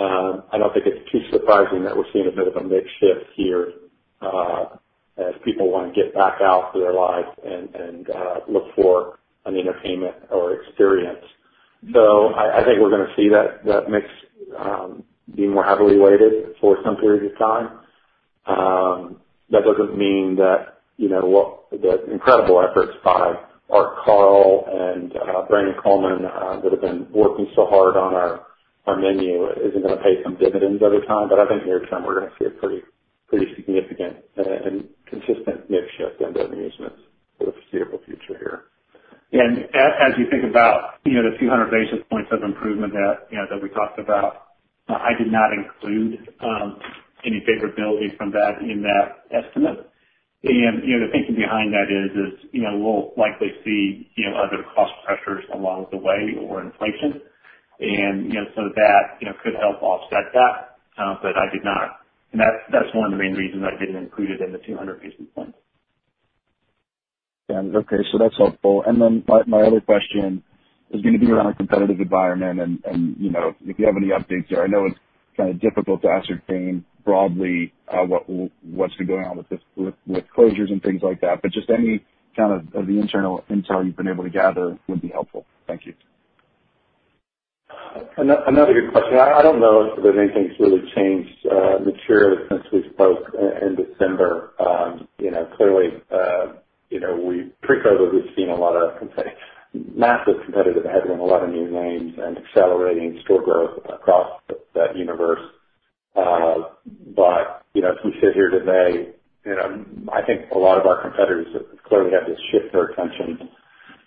I don't think it's too surprising that we're seeing a bit of a mix shift here as people want to get back out to their lives and look for an entertainment or experience. I think we're going to see that mix be more heavily weighted for some period of time. That doesn't mean that the incredible efforts by Art Carl and Brandon Coleman that have been working so hard on our menu isn't going to pay some dividends over time. I think near-term, we're going to see a pretty significant and consistent mix shift in the amusements for the foreseeable future here. As you think about the few 100 basis points of improvement that we talked about, I did not include any favorability from that in that estimate. The thinking behind that is we'll likely see other cost pressures along the way or inflation, that could help offset that. I did not. That's one of the main reasons I didn't include it in the few 100 basis points. Okay, so that's helpful. Then my other question is going to be around the competitive environment and if you have any updates there. I know it's kind of difficult to ascertain broadly what's been going on with closures and things like that, but just any kind of the internal intel you've been able to gather would be helpful. Thank you. Another good question. I don't know if anything's really changed materially since we spoke in December. Clearly, pre-COVID, we've seen a lot of massive competitive headroom, a lot of new names and accelerating store growth across that universe. As we sit here today, I think a lot of our competitors have clearly had to shift their attention,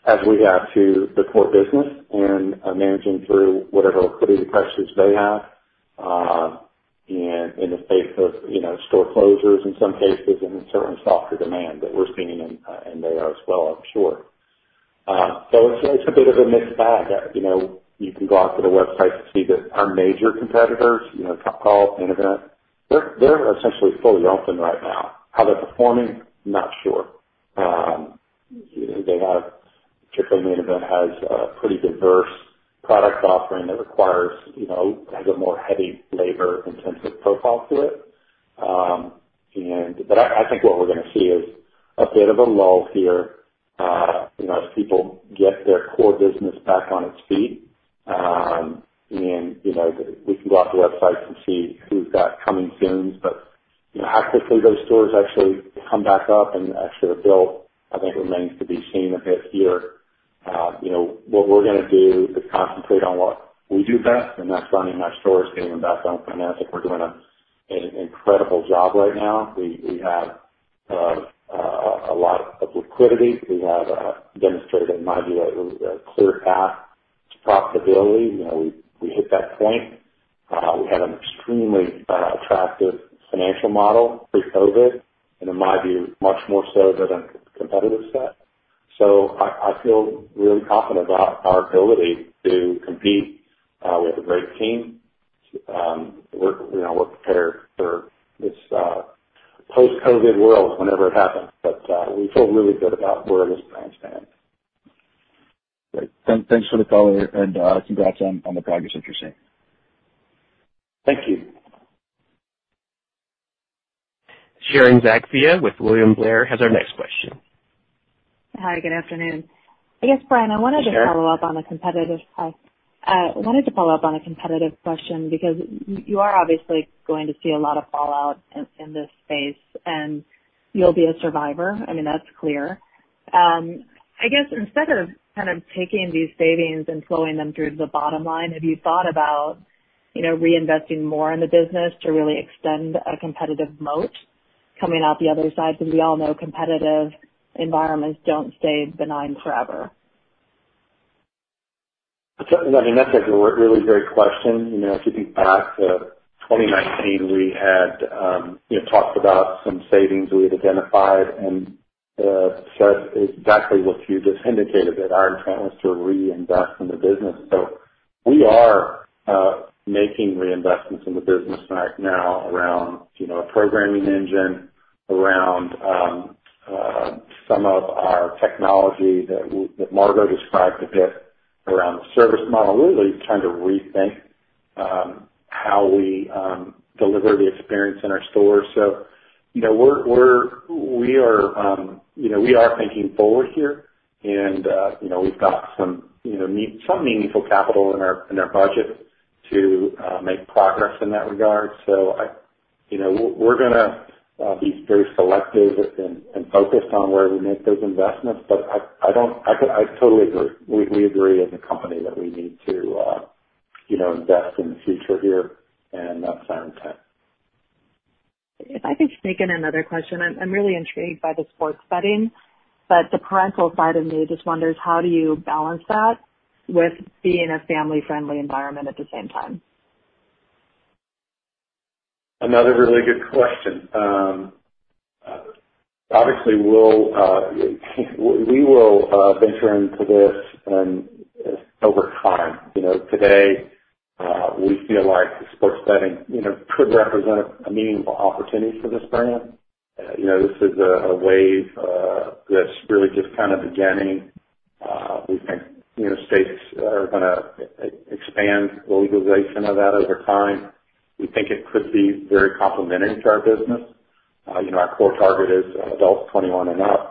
as we have, to the core business and managing through whatever liquidity pressures they have, in the face of store closures in some cases and certain softer demand that we're seeing, and they are as well, I'm sure. It's a bit of a mixed bag. You can go out to the website to see that our major competitors, Topgolf, Main Event, they're essentially fully open right now. How they're performing, not sure. Particularly Main Event has a pretty diverse product offering that has a more heavy labor-intensive profile to it. I think what we're going to see is a bit of a lull here as people get their core business back on its feet. We can go out to the websites and see who's got coming soon, but how quickly those stores actually come back up and actually are built, I think remains to be seen a bit here. What we're going to do is concentrate on what we do best, and that's running our store scaling back on finance. I think we're doing an incredible job right now. We have a lot of liquidity. We have demonstrated, in my view, a clear path to profitability. We hit that point. We had an extremely attractive financial model pre-COVID and in my view, much more so than a competitive set. I feel really confident about our ability to compete. We have a great team. We're prepared for this post-COVID world whenever it happens. We feel really good about where this brand stands. Great. Thanks for the call and congrats on the progress that you're seeing. Thank you. Sharon Zackfia with William Blair has our next question. Hi, good afternoon. I guess, Brian- Hi, Sharon. I wanted to follow up on a competitive question because you are obviously going to see a lot of fallout in this space, and you'll be a survivor. I mean, that's clear. I guess instead of taking these savings and flowing them through to the bottom line, have you thought about reinvesting more in the business to really extend a competitive moat coming out the other side? We all know competitive environments don't stay benign forever. I mean, that's a really great question. If you think back to 2019, we had talked about some savings we had identified and set exactly what you just indicated, that our intent was to reinvest in the business. We are making reinvestments in the business right now around a programming engine, around some of our technology that Margo described a bit around the service model, really trying to rethink how we deliver the experience in our stores. We are thinking forward here, and we've got some meaningful capital in our budget to make progress in that regard. We're going to be very selective and focused on where we make those investments. I totally agree. We agree as a company that we need to invest in the future here, and that's our intent. If I could sneak in another question. I'm really intrigued by the sports betting, but the parental side of me just wonders how do you balance that with being a family-friendly environment at the same time? Another really good question. Obviously, we will venture into this over time. Today, we feel like sports betting could represent a meaningful opportunity for this brand. This is a wave that's really just kind of beginning. We think states are going to expand the legalization of that over time. We think it could be very complementary to our business. Our core target is adults 21 and up.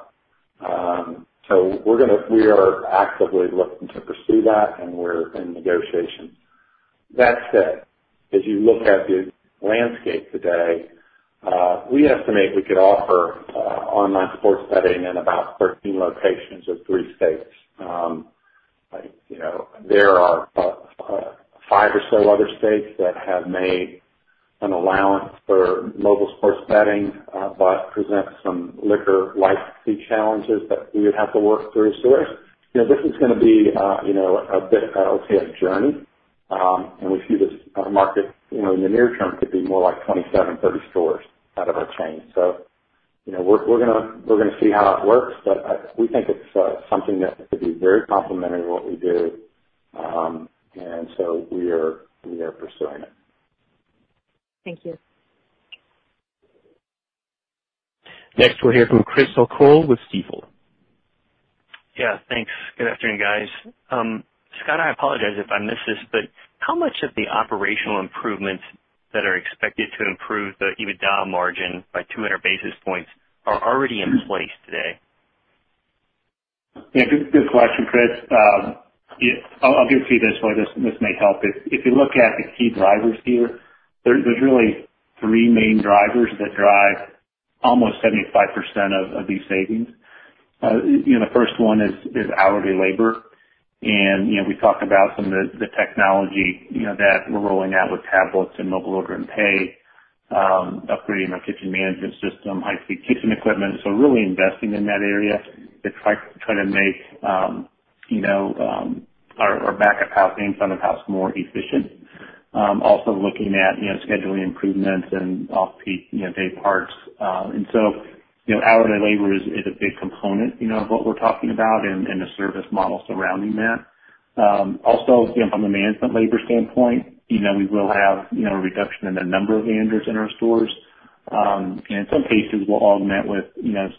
We are actively looking to pursue that, and we're in negotiations. That said, as you look at the landscape today, we estimate we could offer online sports betting in about 13 locations of three states. There are five or so other states that have made an allowance for mobile sports betting, but present some liquor licensing challenges that we would have to work through. This is going to be a bit of a journey. We see this market in the near term could be more like 27, 30 stores out of our chain. We're going to see how it works, but we think it's something that could be very complementary to what we do. We are pursuing it. Thank you. Next we'll hear from Chris O'Cull with Stifel. Yeah, thanks. Good afternoon, guys. Scott, I apologize if I missed this, but how much of the operational improvements that are expected to improve the EBITDA margin by 200 basis points are already in place today? Yeah, good question, Chris. I'll give it to you this way. This may help. If you look at the key drivers here, there's really three main drivers that drive almost 75% of these savings. The first one is hourly labor. We talked about some of the technology that we're rolling out with tablets and mobile order and pay, upgrading our kitchen management system, high-speed kitchen equipment. Really investing in that area to try to make our back of house and front of house more efficient. Also looking at scheduling improvements and off-peak day parts. Hourly labor is a big component of what we're talking about and the service model surrounding that. Also, from a management labor standpoint, we will have a reduction in the number of managers in our stores. In some cases, we'll augment with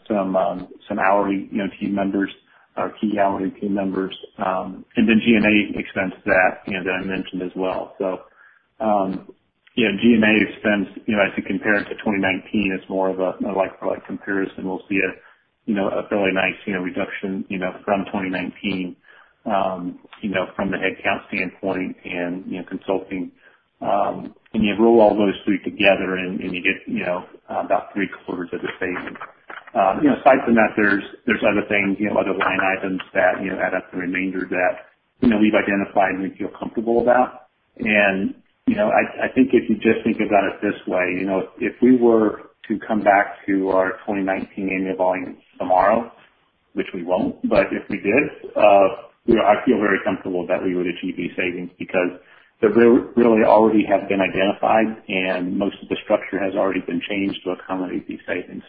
some hourly team members, our key hourly team members. G&A expense that I mentioned as well. Yeah, G&A expense, I think comparing to 2019 is more of a like for like comparison. We'll see a fairly nice reduction from 2019 from the headcount standpoint and consulting. When you roll all those three together and you get about three-quarters of the savings. Aside from that, there's other things, other line items that add up the remainder that we've identified and we feel comfortable about. I think if you just think about it this way, if we were to come back to our 2019 annual volumes tomorrow, which we won't, but if we did, I feel very comfortable that we would achieve these savings because they really already have been identified and most of the structure has already been changed to accommodate these savings.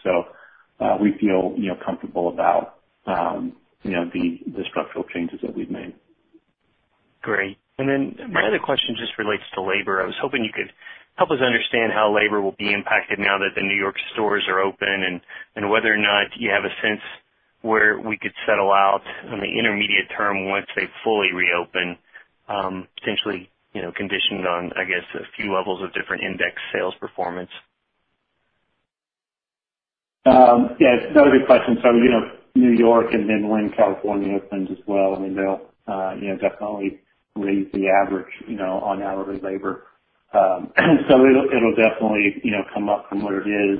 We feel comfortable about the structural changes that we've made. Great. Then my other question just relates to labor. I was hoping you could help us understand how labor will be impacted now that the New York stores are open and whether or not you have a sense where we could settle out on the intermediate term once they fully reopen, potentially conditioned on, I guess, a few levels of different index sales performance? Yeah. No, good question. New York and then when California opens as well, they'll definitely raise the average on hourly labor. It'll definitely come up from where it is.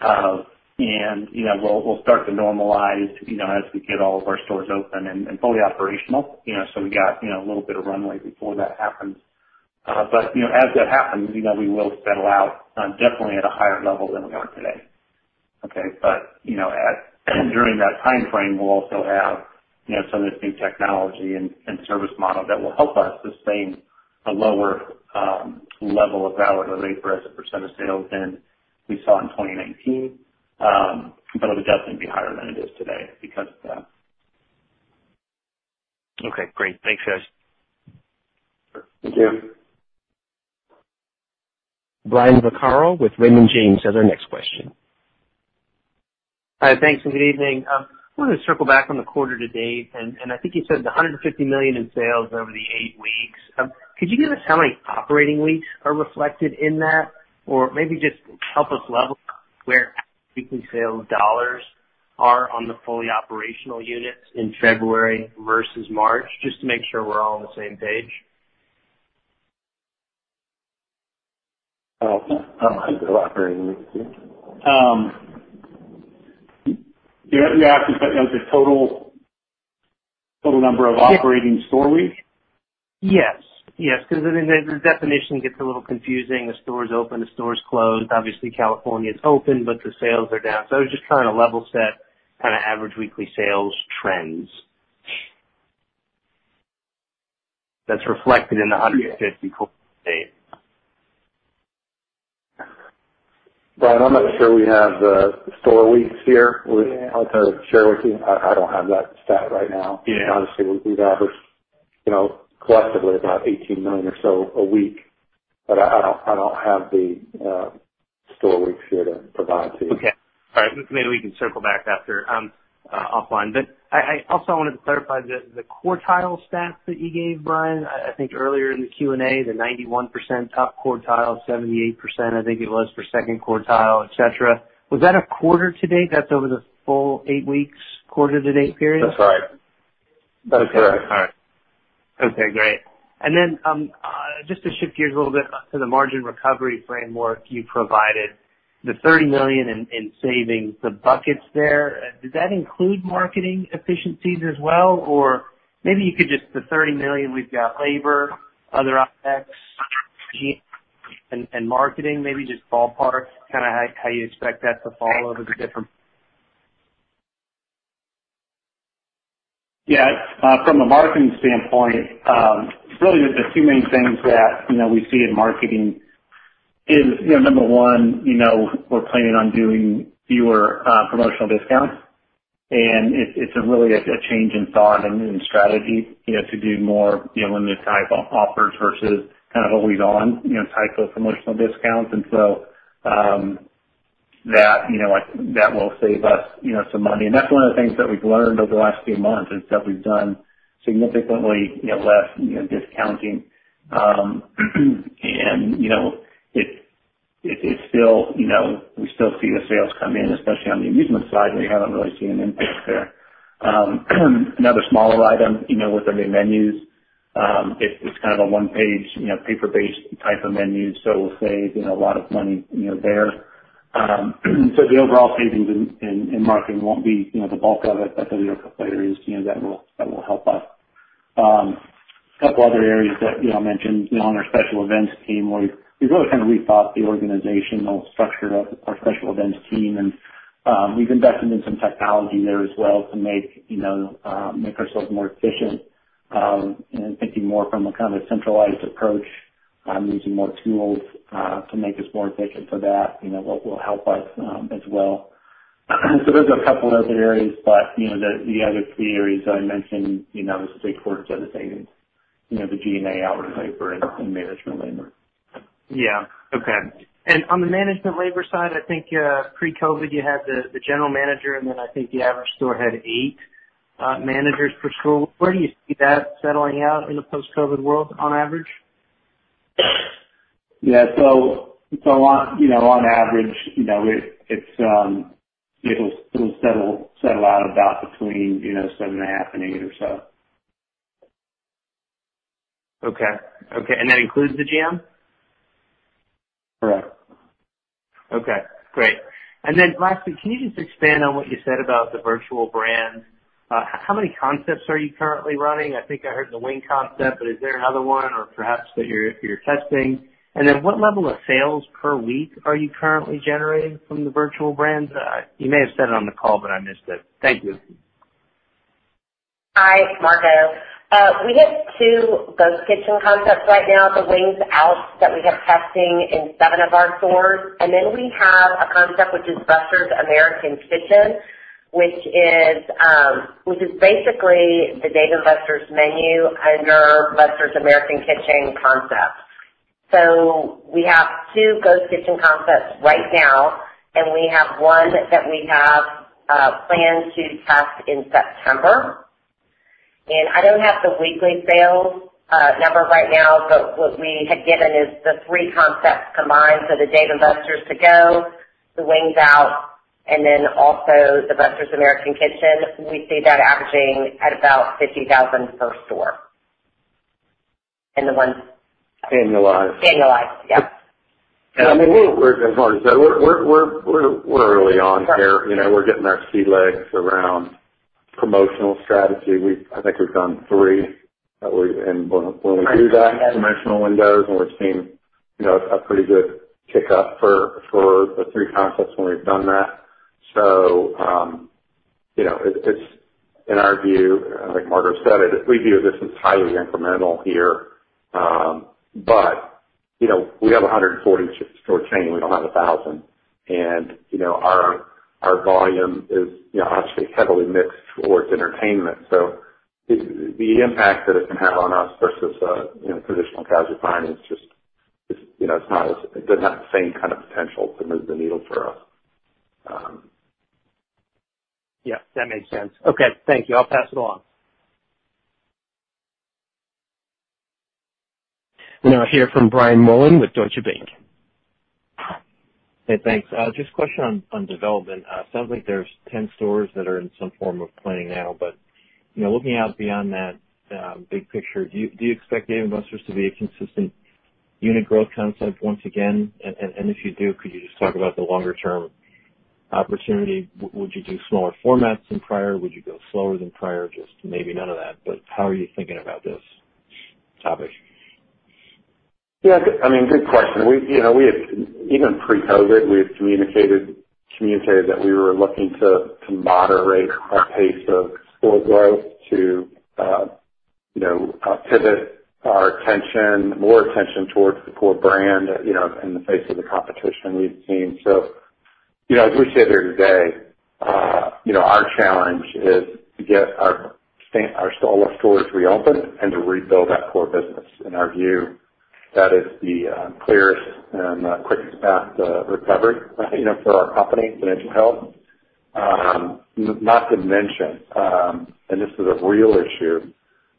We'll start to normalize as we get all of our stores open and fully operational. We got a little bit of runway before that happens. As that happens, we will settle out definitely at a higher level than we are today. Okay. During that timeframe, we'll also have some of this new technology and service model that will help us sustain a lower level of hourly labor as a percent of sales than we saw in 2019. It'll definitely be higher than it is today because of that. Okay, great. Thanks, guys. Thank you. Brian Vaccaro with Raymond James has our next question. Hi, thanks, and good evening. I wanted to circle back on the quarter to date. I think you said the $150 million in sales over the eight weeks. Could you give us how many operating weeks are reflected in that? Or maybe just help us level where weekly sales dollars are on the fully operational units in February versus March, just to make sure we're all on the same page. How many operating weeks? You're asking the total number of operating store weeks? Yes. Yes, because the definition gets a little confusing. The store is open, the store is closed. Obviously, California is open, but the sales are down. I was just trying to level set average weekly sales trends that's reflected in the $150 quarter to date. Brian, I'm not sure we have the store weeks here to share with you. I don't have that stat right now. Obviously, we do the average. Collectively, about 18 million or so a week. I don't have the store weeks here to provide to you. Okay. All right. Maybe we can circle back after offline. I also wanted to clarify the quartile stats that you gave, Brian. I think earlier in the Q&A, the 91% top quartile, 78%, I think it was for second quartile, et cetera. Was that a quarter to date? That's over the full eight weeks, quarter to date period? That's right. Okay. All right. Okay, great. Then, just to shift gears a little bit to the margin recovery framework you provided, the $30 million in savings, the buckets there, does that include marketing efficiencies as well? Maybe you could just, the $30 million we've got labor, other OpEx, and marketing, maybe just ballpark how you expect that to fall over the different-. Yeah. From a marketing standpoint, really, there's a few main things that we see in marketing is, number one, we're planning on doing fewer promotional discounts. It's really a change in thought and in strategy, to do more limited type offers versus always on type of promotional discounts. That will save us some money. That's one of the things that we've learned over the last few months, is that we've done significantly less discounting. We still see the sales come in, especially on the amusement side. We haven't really seen an impact there. Another smaller item, with our new menus. It's a one-page, paper-based type of menu. We'll save a lot of money there. The overall savings in marketing won't be the bulk of it, but those are areas that will help us. A couple of other areas that I mentioned on our special events team, where we've really rethought the organizational structure of our special events team. We've invested in some technology there as well to make ourselves more efficient, thinking more from a centralized approach, using more tools to make us more efficient for that, will help us as well. Those are a couple other areas. The other three areas that I mentioned, the three-quarters of the savings, the G&A, hourly labor, and management labor. Yeah. Okay. On the management labor side, I think pre-COVID, you had the general manager, and then I think the average store had eight managers per store. Where do you see that settling out in the post-COVID world on average? Yeah. On average, it'll settle out about between seven and a half and eight or so. Okay. That includes the GM? Correct. Okay, great. Lastly, can you just expand on what you said about the virtual brands? How many concepts are you currently running? I think I heard the Wings Out concept, but is there another one or perhaps that you're testing? What level of sales per week are you currently generating from the virtual brands? You may have said it on the call, but I missed it. Thank you. Hi, it's Margo. We have two ghost kitchen concepts right now, the Wings Out that we have testing in seven of our stores. Then we have a concept, which is Buster's American Kitchen, which is basically the Dave & Buster's menu under Buster's American Kitchen concept. We have two ghost kitchen concepts right now, and we have one that we have planned to test in September. I don't have the weekly sales number right now, but what we had given is the three concepts combined, the Dave & Buster's To Go, the Wings Out, and then also the Buster's American Kitchen. We see that averaging at about $50,000 per store. Annualized. Annualized. Yep. As far as that, we're early on here. We're getting our sea legs around promotional strategy. I think we've done three. Right Promotional windows, and we're seeing a pretty good kick up for the three concepts when we've done that. In our view, like Margo said, we view this as highly incremental here. We have 140 store chain. We don't have 1,000. Our volume is obviously heavily mixed towards entertainment. The impact that it can have on us versus a traditional casual dining is just, it does not have the same kind of potential to move the needle for us. That makes sense. Okay, thank you. I'll pass it along. We'll now hear from Brian Mullan with Deutsche Bank. Hey, thanks. Just a question on development. Sounds like there's 10 stores that are in some form of planning now. Looking out beyond that big picture, do you expect Dave & Buster's to be a consistent unit growth concept once again? If you do, could you just talk about the longer-term opportunity? Would you do smaller formats than prior? Would you go slower than prior? Just maybe none of that, but how are you thinking about this topic? Yeah. Good question. Even pre-COVID, we had communicated that we were looking to moderate our pace of store growth to pivot our attention, more attention towards the core brand, in the face of the competition we've seen. As we sit here today Our challenge is to get our stalwart stores reopened and to rebuild that core business. In our view, that is the clearest and quickest path to recovery for our company's financial health. Not to mention, and this is a real issue,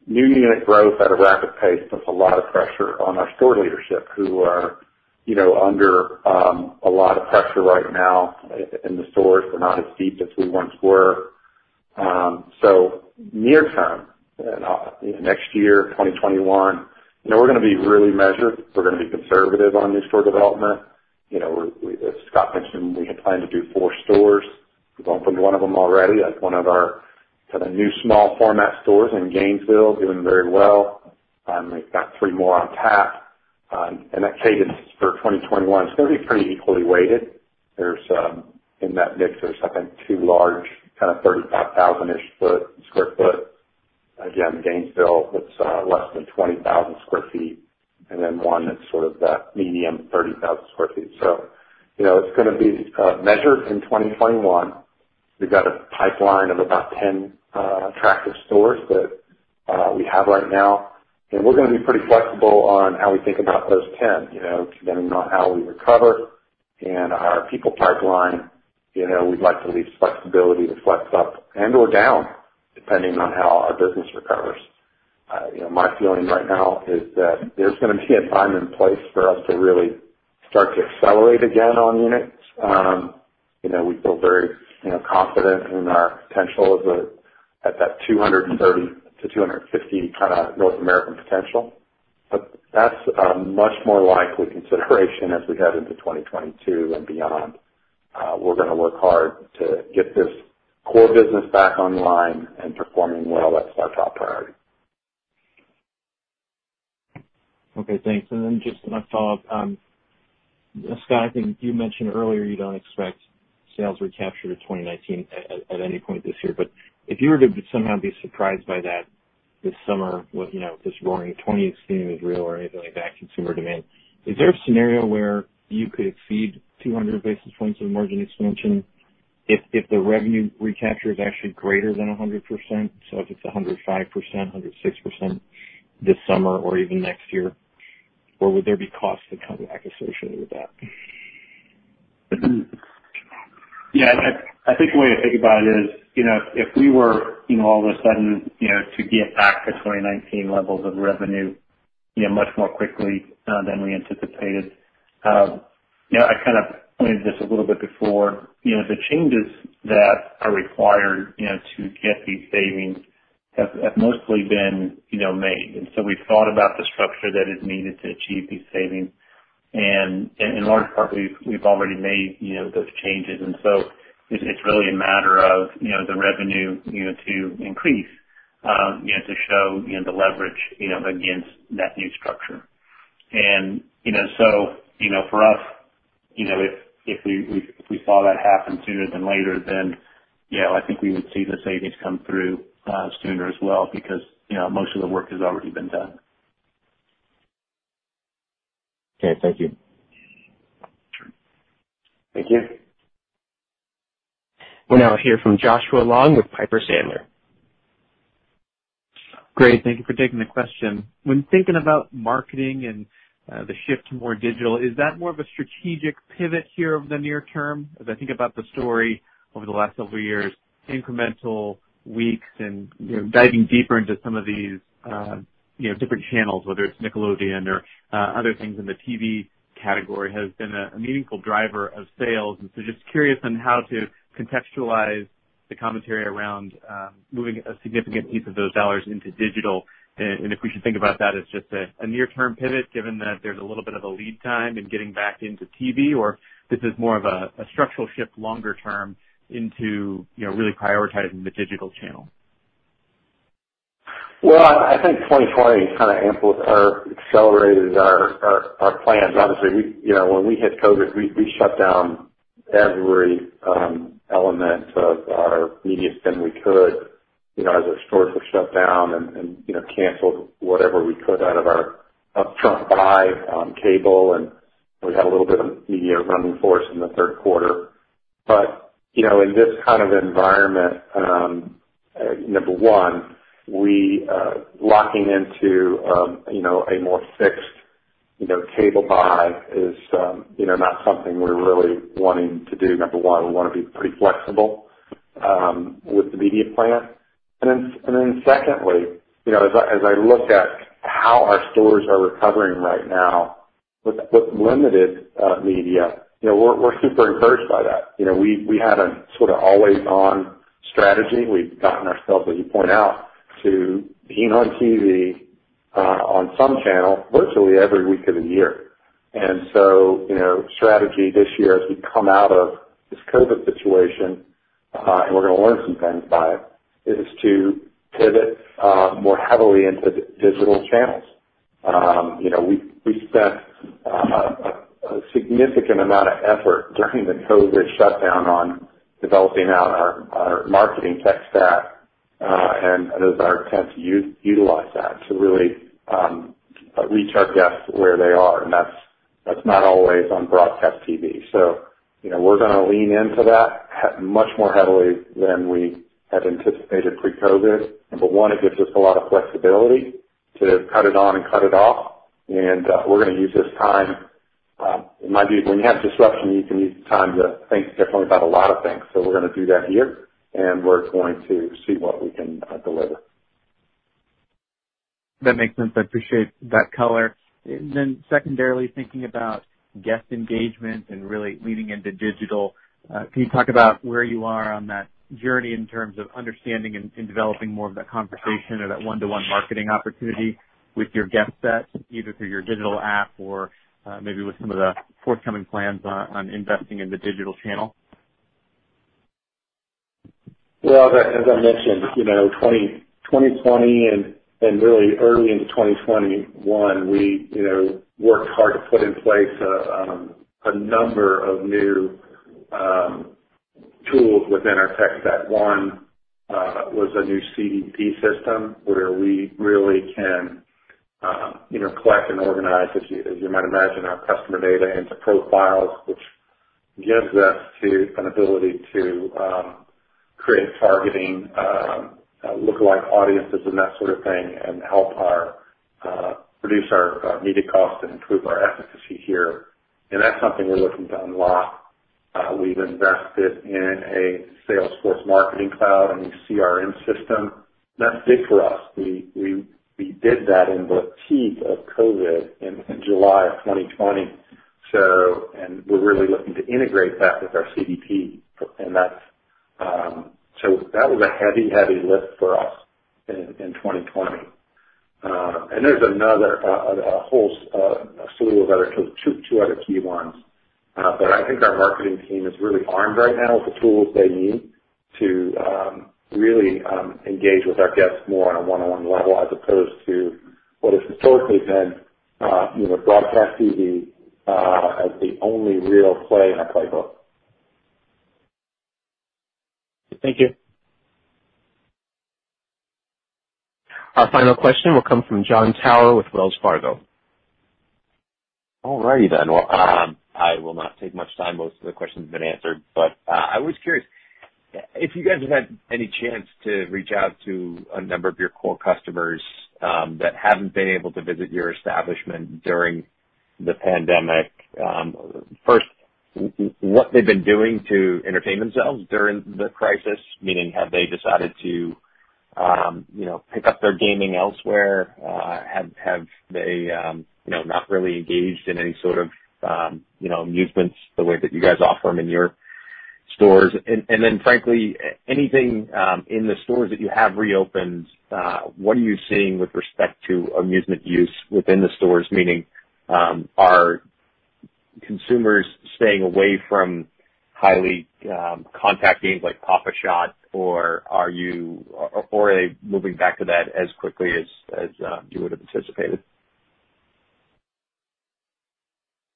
new unit growth at a rapid pace puts a lot of pressure on our store leadership, who are under a lot of pressure right now in the stores. We're not as deep as we once were. Near term, next year, 2021, we're going to be really measured. We're going to be conservative on new store development. As Scott mentioned, we had planned to do four stores. We've opened one of them already. That's one of our new small format stores in Gainesville, doing very well. We've got three more on tap. And that cadence for 2021 is going to be pretty equally weighted. In that mix, there's two large, 35,000-ish sq ft. Again, Gainesville with less than 20,000 sq ft, and then one that's that medium 30,000 sq ft. It's going to be measured in 2021. We've got a pipeline of about 10 attractive stores that we have right now, and we're going to be pretty flexible on how we think about those 10, depending on how we recover and our people pipeline. We'd like to leave flexibility to flex up and/or down, depending on how our business recovers. My feeling right now is that there's going to be a time and place for us to really start to accelerate again on units. We feel very confident in our potential at that 230-250 North American potential. That's a much more likely consideration as we head into 2022 and beyond. We're going to work hard to get this core business back online and performing well. That's our top priority. Okay, thanks. Then just to follow up, Scott, I think you mentioned earlier you don't expect sales recapture to 2019 at any point this year. If you were to somehow be surprised by that this summer with this Roaring Twenties is real or anything like that consumer demand, is there a scenario where you could exceed 200 basis points of margin expansion if the revenue recapture is actually greater than 100%? If it's 105%, 106% this summer or even next year, or would there be costs that come back associated with that? I think the way to think about it is, if we were all of a sudden to get back to 2019 levels of revenue much more quickly than we anticipated. I pointed this a little bit before. The changes that are required to get these savings have mostly been made. We've thought about the structure that is needed to achieve these savings, and in large part, we've already made those changes. It's really a matter of the revenue to increase to show the leverage against that new structure. For us, if we saw that happen sooner than later, I think we would see the savings come through sooner as well, because most of the work has already been done. Okay, thank you. Thank you. We'll now hear from Joshua Long with Piper Sandler. Great. Thank you for taking the question. When thinking about marketing and the shift to more digital, is that more of a strategic pivot here over the near term? As I think about the story over the last several years, incremental weeks and diving deeper into some of these different channels, whether it's Nickelodeon or other things in the TV category, has been a meaningful driver of sales. Just curious on how to contextualize the commentary around moving a significant piece of those dollars into digital, and if we should think about that as just a near term pivot, given that there's a little bit of a lead time in getting back into TV, or this is more of a structural shift longer term into really prioritizing the digital channel. Well, I think 2020 kind of accelerated our plans. Obviously, when we hit COVID, we shut down every element of our media spend we could as our stores were shut down and canceled whatever we could out of our upfront buy on cable, and we had a little bit of media running for us in the third quarter. In this kind of environment, number one, locking into a more fixed cable buy is not something we're really wanting to do. Number one, we want to be pretty flexible with the media plan. Secondly, as I look at how our stores are recovering right now with limited media, we're super encouraged by that. We had a sort of always on strategy. We've gotten ourselves, as you point out, to being on TV on some channel virtually every week of the year. The strategy this year as we come out of this COVID situation, and we're going to learn some things by it, is to pivot more heavily into digital channels. We spent a significant amount of effort during the COVID shutdown on developing out our marketing tech stack and a better attempt to utilize that to really reach our guests where they are, and that's not always on broadcast TV. We're going to lean into that much more heavily than we had anticipated pre-COVID. Number one, it gives us a lot of flexibility to cut it on and cut it off, and we're going to use this time. When you have disruption, you can use the time to think differently about a lot of things. We're going to do that here, and we're going to see what we can deliver. That makes sense. I appreciate that color. Secondarily, thinking about guest engagement and really leaning into digital, can you talk about where you are on that journey in terms of understanding and developing more of that conversation or that one-to-one marketing opportunity with your guest set, either through your digital app or maybe with some of the forthcoming plans on investing in the digital channel? As I mentioned, 2020 and really early into 2021, we worked hard to put in place a number of new tools within our tech stack. One was a new CDP system where we really can collect and organize, as you might imagine, our customer data into profiles, which gives us an ability to create targeting lookalike audiences and that sort of thing, and help reduce our media costs and improve our efficacy here. That's something we're looking to unlock. We've invested in a Salesforce Marketing Cloud and a CRM system. That's big for us. We did that in the teeth of COVID in July of 2020. We're really looking to integrate that with our CDP. That was a heavy lift for us in 2020. There's another whole slew of other tools, two other key ones. I think our marketing team is really armed right now with the tools they need to really engage with our guests more on a one-on-one level, as opposed to what has historically been broadcast TV as the only real play in our playbook. Thank you. Our final question will come from Jon Tower with Wells Fargo. All righty then. Well, I will not take much time. Most of the question's been answered. I was curious if you guys have had any chance to reach out to a number of your core customers that haven't been able to visit your establishment during the pandemic. First, what they've been doing to entertain themselves during the crisis, meaning have they decided to pick up their gaming elsewhere? Have they not really engaged in any sort of amusements the way that you guys offer them in your stores? Frankly, anything in the stores that you have reopened, what are you seeing with respect to amusement use within the stores? Meaning, are consumers staying away from highly contact games like Pop-A-Shot or are they moving back to that as quickly as you would have anticipated?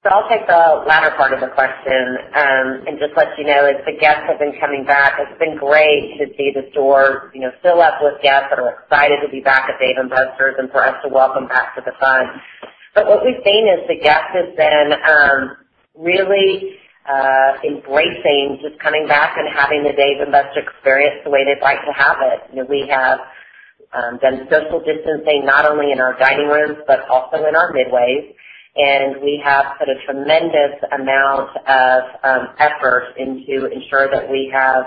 I'll take the latter part of the question and just let you know as the guests have been coming back, it's been great to see the stores fill up with guests that are excited to be back at Dave & Buster's and for us to welcome back to the fun. What we've seen is the guest has been really embracing just coming back and having the Dave & Buster experience the way they'd like to have it. We have done social distancing, not only in our dining rooms, but also in our midways. We have put a tremendous amount of effort into ensuring that we have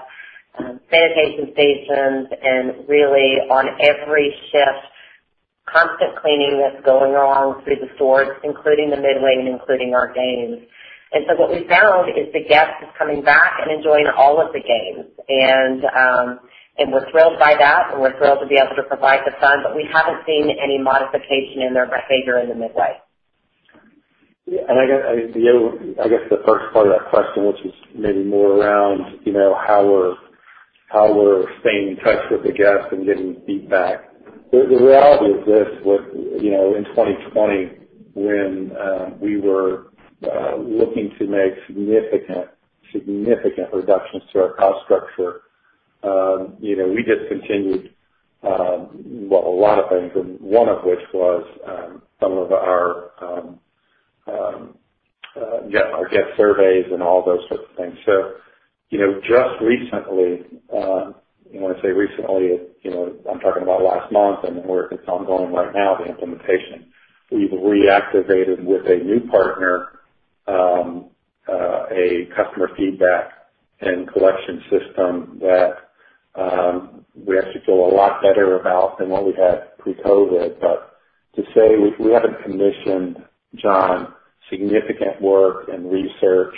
sanitation stations and really on every shift, constant cleaning that's going on through the stores, including the midway, and including our games. What we found is the guest is coming back and enjoying all of the games. We're thrilled by that, and we're thrilled to be able to provide the fun. We haven't seen any modification in their behavior in the midway. I guess the first part of that question, which was maybe more around how we're staying in touch with the guests and getting feedback. The reality is this, in 2020, when we were looking to make significant reductions to our cost structure, we discontinued, well, a lot of things, and one of which was some of our guest surveys and all those sorts of things. Just recently, when I say recently, I'm talking about last month and the work that's ongoing right now, the implementation. We've reactivated with a new partner, a customer feedback and collection system that we actually feel a lot better about than what we had pre-COVID. To say we haven't commissioned, Jon, significant work and research,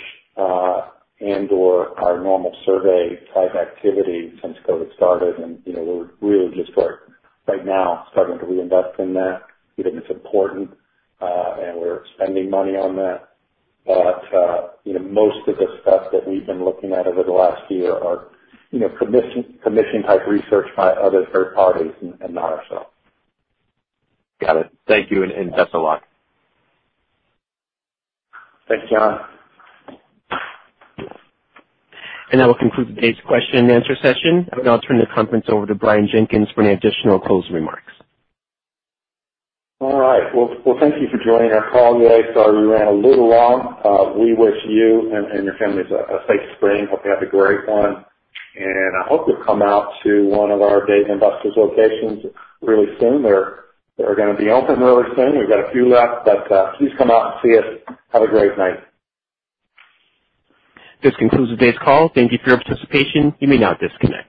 and/or our normal survey-type activity since COVID started, and we're really just right now starting to reinvest in that. We think it's important, and we're spending money on that. Most of the stuff that we've been looking at over the last year are commission-type research by other third parties and not ourselves. Got it. Thank you. Thanks a lot. Thanks, Jon. That will conclude today's question and answer session. I will now turn the conference over to Brian Jenkins for any additional closing remarks. All right. Well, thank you for joining our call today. Sorry we ran a little long. We wish you and your families a safe spring. Hope you have a great one. I hope you'll come out to one of our Dave & Buster's locations really soon. They're gonna be open really soon. We've got a few left, but please come out and see us. Have a great night. This concludes today's call. Thank you for your participation. You may now disconnect.